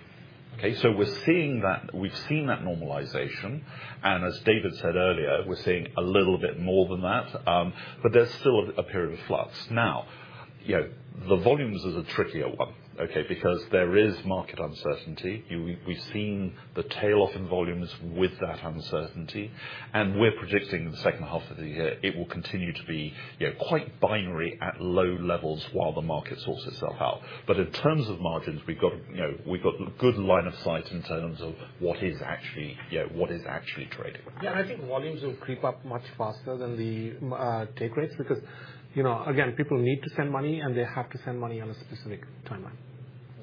S3: Okay? So we're seeing that. We've seen that normalization, and as David said earlier, we're seeing a little bit more than that, but there's still a period of flux. Now, you know, the volumes is a trickier one, okay? Because there is market uncertainty. You know, we've seen the tail off in volumes with that uncertainty, and we're predicting the second half of the year it will continue to be, you know, quite binary at low levels while the market sorts itself out. But in terms of margins, we've got, you know, good line of sight in terms of what is actually, you know, what is actually trading.
S2: Yeah, I think volumes will creep up much faster than the take rates, because, you know, again, people need to send money, and they have to send money on a specific timeline.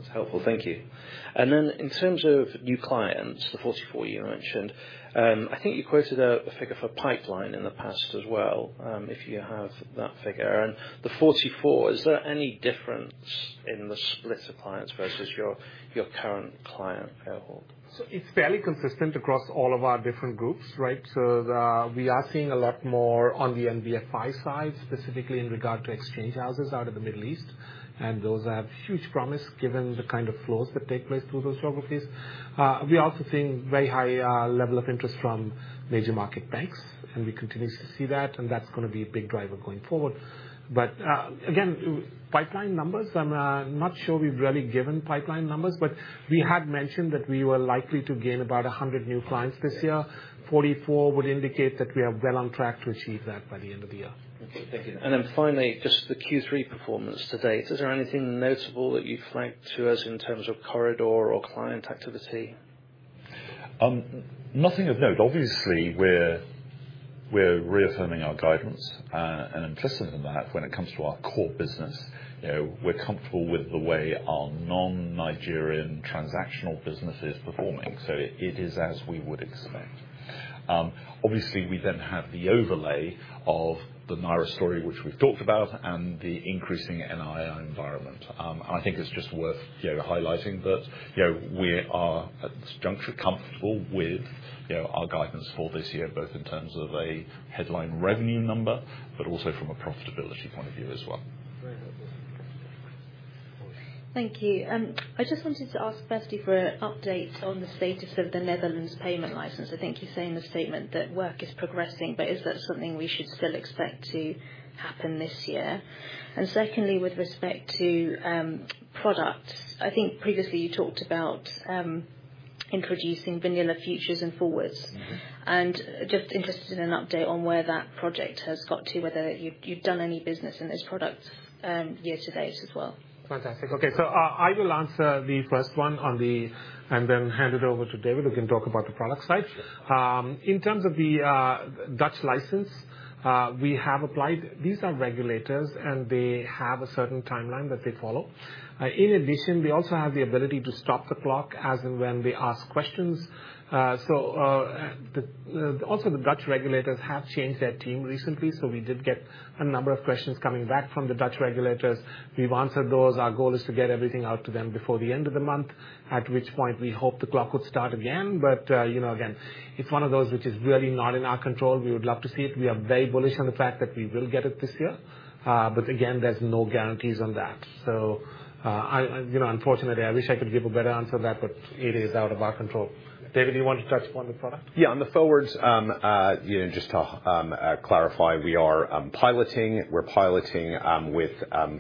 S11: That's helpful. Thank you. And then in terms of new clients, the 44 you mentioned. I think you quoted a figure for pipeline in the past as well, if you have that figure. And the 44, is there any difference in the split of clients versus your current client cohort?
S2: So it's fairly consistent across all of our different groups, right? So the we are seeing a lot more on the NBFI side, specifically in regard to exchange houses out of the Middle East, and those have huge promise, given the kind of flows that take place through those geographies. We are also seeing very high level of interest from major market banks, and we continue to see that, and that's gonna be a big driver going forward. But, again, pipeline numbers, I'm not sure we've really given pipeline numbers, but we had mentioned that we were likely to gain about 100 new clients this year. 44 would indicate that we are well on track to achieve that by the end of the year.
S11: Okay, thank you. And then finally, just the Q3 performance to date. Is there anything notable that you'd flag to us in terms of corridor or client activity?
S3: Nothing of note. Obviously, we're reaffirming our guidance, and implicit in that, when it comes to our core business, you know, we're comfortable with the way our non-Nigerian transactional business is performing, so it is as we would expect. Obviously, we then have the overlay of the Naira story, which we've talked about, and the increasing NII environment. And I think it's just worth, you know, highlighting that, you know, we are, at this juncture, comfortable with our guidance for this year, both in terms of a headline revenue number, but also from a profitability point of view as well.
S12: Thank you. I just wanted to ask Bhairav for an update on the status of the Netherlands payment license. I think you say in the statement that work is progressing, but is that something we should still expect to happen this year? And secondly, with respect to, products, I think previously you talked about, introducing vanilla futures and forwards. And just interested in an update on where that project has got to, whether you've done any business in this product, year to date as well.
S2: Fantastic. Okay. So, I will answer the first one on the... And then hand it over to David, who can talk about the product side. In terms of the Dutch license, we have applied. These are regulators, and they have a certain timeline that they follow. In addition, we also have the ability to stop the clock as and when we ask questions. So, also, the Dutch regulators have changed their team recently, so we did get a number of questions coming back from the Dutch regulators. We've answered those. Our goal is to get everything out to them before the end of the month, at which point we hope the clock would start again. But, you know, again, it's one of those which is really not in our control. We would love to see it. We are very bullish on the fact that we will get it this year. But again, there's no guarantees on that. So, you know, unfortunately, I wish I could give a better answer to that, but it is out of our control. David, do you want to touch upon the product?
S3: Yeah, on the forwards, yeah, just to clarify, we are piloting. We're piloting with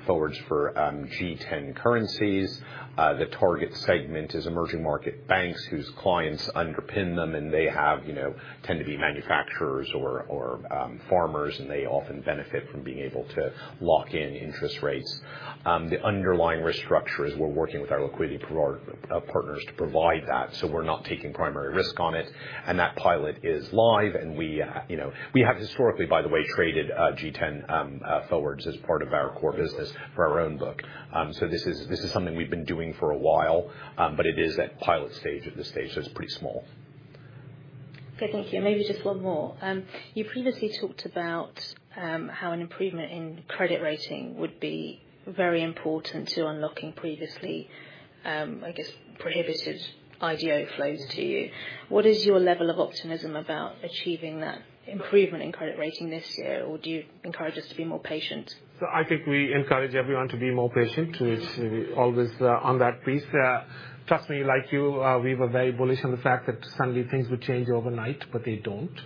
S3: forwards for G10 currencies. The target segment is emerging market banks, whose clients underpin them, and they have, you know, tend to be manufacturers or farmers, and they often benefit from being able to lock in interest rates. The underlying risk structure is we're working with our liquidity partners to provide that, so we're not taking primary risk on it. And that pilot is live, and we, you know, we have historically, by the way, traded G10 forwards as part of our core business for our own book. So this is something we've been doing for a while, but it is at pilot stage at this stage, so it's pretty small.
S12: Okay, thank you. Maybe just one more. You previously talked about how an improvement in credit rating would be very important to unlocking previously, I guess, prohibited IDO flows to you. What is your level of optimism about achieving that improvement in credit rating this year, or do you encourage us to be more patient?
S2: So I think we encourage everyone to be more patient, which we always on that piece. Trust me, like you, we were very bullish on the fact that suddenly things would change overnight, but they don't.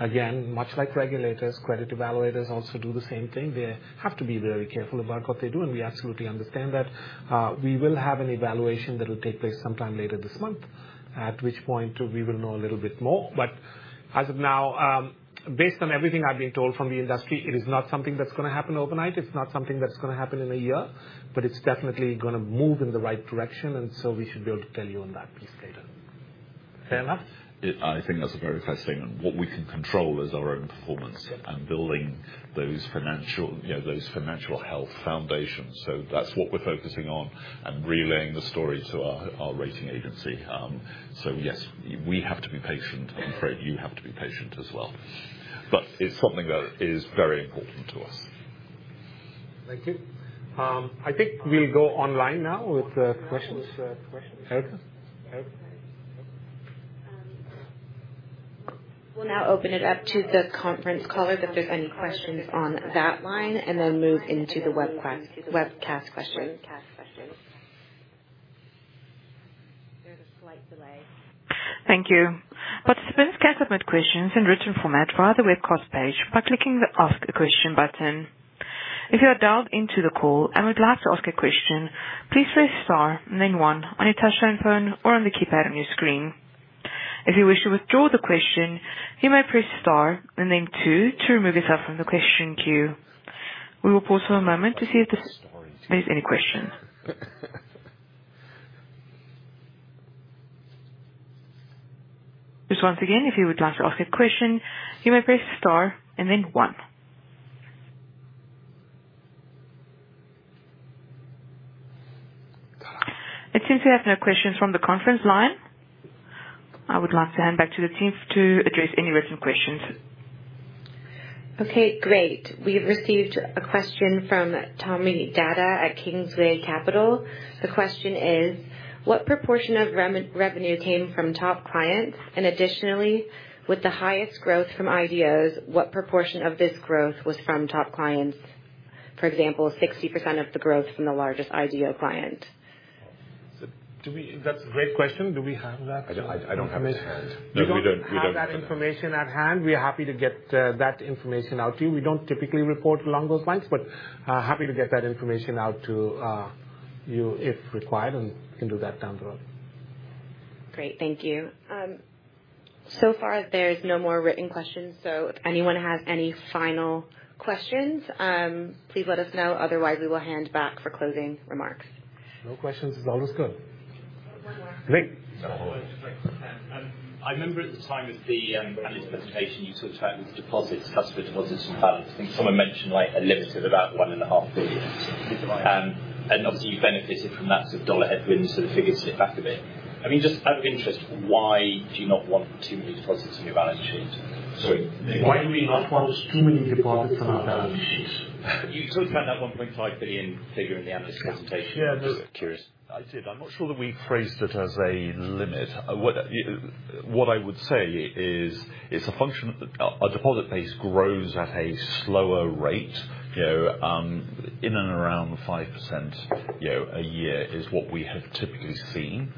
S2: Again, much like regulators, credit evaluators also do the same thing. They have to be very careful about what they do, and we absolutely understand that. We will have an evaluation that will take place sometime later this month, at which point we will know a little bit more. But as of now, based on everything I've been told from the industry, it is not something that's gonna happen overnight. It's not something that's gonna happen in a year, but it's definitely gonna move in the right direction, and so we should be able to tell you on that piece later.
S3: Fair enough. I think that's a very fair statement. What we can control is our own performance and building those financial, you know, those financial health foundations. So that's what we're focusing on and relaying the story to our, our rating agency. So yes, we have to be patient, and I'm afraid you have to be patient as well, but it's something that is very important to us.
S2: Thank you. I think we'll go online now with the questions. Questions.
S13: We'll now open it up to the conference caller, if there's any questions on that line, and then move into the webcast, webcast questions. There's a slight delay. Thank you. Participants can submit questions in written format via the webcast page by clicking the Ask a Question button. If you are dialed into the call and would like to ask a question, please press star and then one on your touchtone phone or on the keypad on your screen. If you wish to withdraw the question, you may press star and then two to remove yourself from the question queue. We will pause for a moment to see if there's any questions. Just once again, if you would like to ask a question, you may press star and then one.... Since we have no questions from the conference line, I would like to hand back to the team to address any written questions.
S14: Okay, great. We've received a question from Tommy Deeter at Kingsway Capital. The question is: What proportion of revenue came from top clients? And additionally, with the highest growth from IDOs, what proportion of this growth was from top clients? For example, 60% of the growth from the largest IDO client.
S2: So do we... That's a great question. Do we have that?
S3: I don't have that to hand. No, we don't have that.
S2: We don't have that information at hand. We are happy to get that information out to you. We don't typically report along those lines, but happy to get that information out to you if required, and we can do that down the road.
S14: Great. Thank you. So far, there's no more written questions, so if anyone has any final questions, please let us know. Otherwise, we will hand back for closing remarks.
S5: No questions is always good. Nick?
S8: I remember at the time of the analyst presentation, you talked about deposits, customer deposits, and balances, and someone mentioned, like, a limit of about 1.5 billion.
S2: Right.
S8: And obviously, you benefited from that sort of dollar headwinds, so the figures slip back a bit. I mean, just out of interest, why do you not want too many deposits on your balance sheet?
S2: Sorry. Why do we not want too many deposits on our balance sheets?
S8: You talked about that 1.5 billion figure in the analyst presentation.
S2: Yeah.
S8: Just curious.
S3: I did. I'm not sure that we phrased it as a limit. What I would say is, it's a function of the... Our deposit base grows at a slower rate, you know, in and around 5%, you know, a year is what we have typically seen.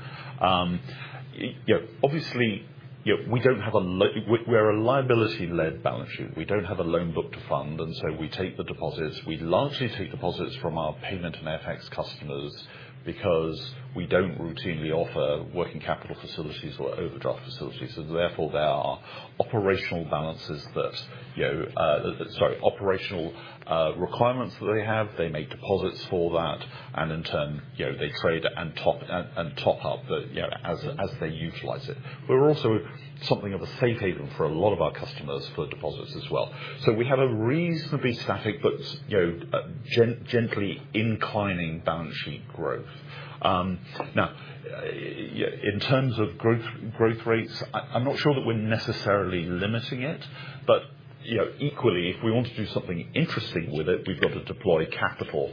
S3: You know, obviously, you know, we don't have a li-- we're a liability-led balance sheet. We don't have a loan book to fund, and so we take the deposits. We largely take deposits from our payment and FX customers because we don't routinely offer working capital facilities or overdraft facilities. So therefore, there are operational balances that, you know, sorry, operational requirements that they have. They make deposits for that, and in turn, you know, they trade and top, and top up the, you know, as they utilize it. We're also something of a safe haven for a lot of our customers for deposits as well. So we have a reasonably static, but, you know, gently inclining balance sheet growth. Now, in terms of growth, growth rates, I'm not sure that we're necessarily limiting it, but, you know, equally, if we want to do something interesting with it, we've got to deploy capital,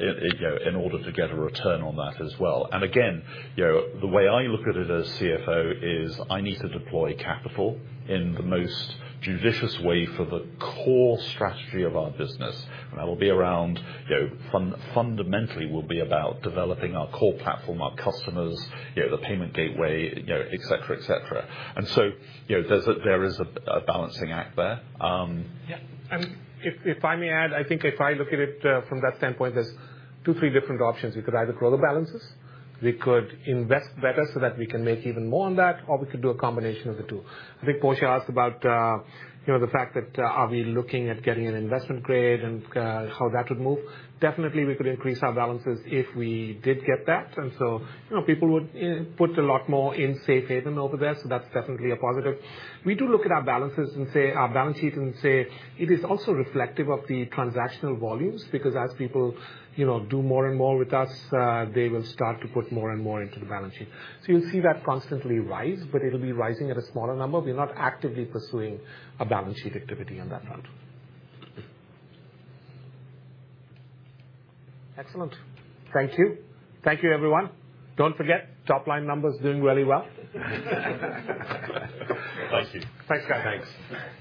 S3: you know, in order to get a return on that as well. And again, you know, the way I look at it as CFO is I need to deploy capital in the most judicious way for the core strategy of our business. And that will be around, you know, fundamentally, will be about developing our core platform, our customers, you know, the payment gateway, you know, et cetera, et cetera. So, you know, there is a balancing act there.
S2: Yeah. And if I may add, I think if I look at it from that standpoint, there's two, three different options. We could either grow the balances, we could invest better so that we can make even more on that, or we could do a combination of the two. I think Portia asked about, you know, the fact that are we looking at getting an investment grade and how that would move? Definitely, we could increase our balances if we did get that, and so, you know, people would put a lot more in safe haven over there, so that's definitely a positive. We do look at our balances and say, our balance sheet, and say it is also reflective of the transactional volumes, because as people, you know, do more and more with us, they will start to put more and more into the balance sheet. So you'll see that constantly rise, but it'll be rising at a smaller number. We're not actively pursuing a balance sheet activity on that front. Excellent. Thank you. Thank you, everyone. Don't forget, top line numbers doing really well.
S3: Thank you.
S2: Thanks, guys.
S3: Thanks.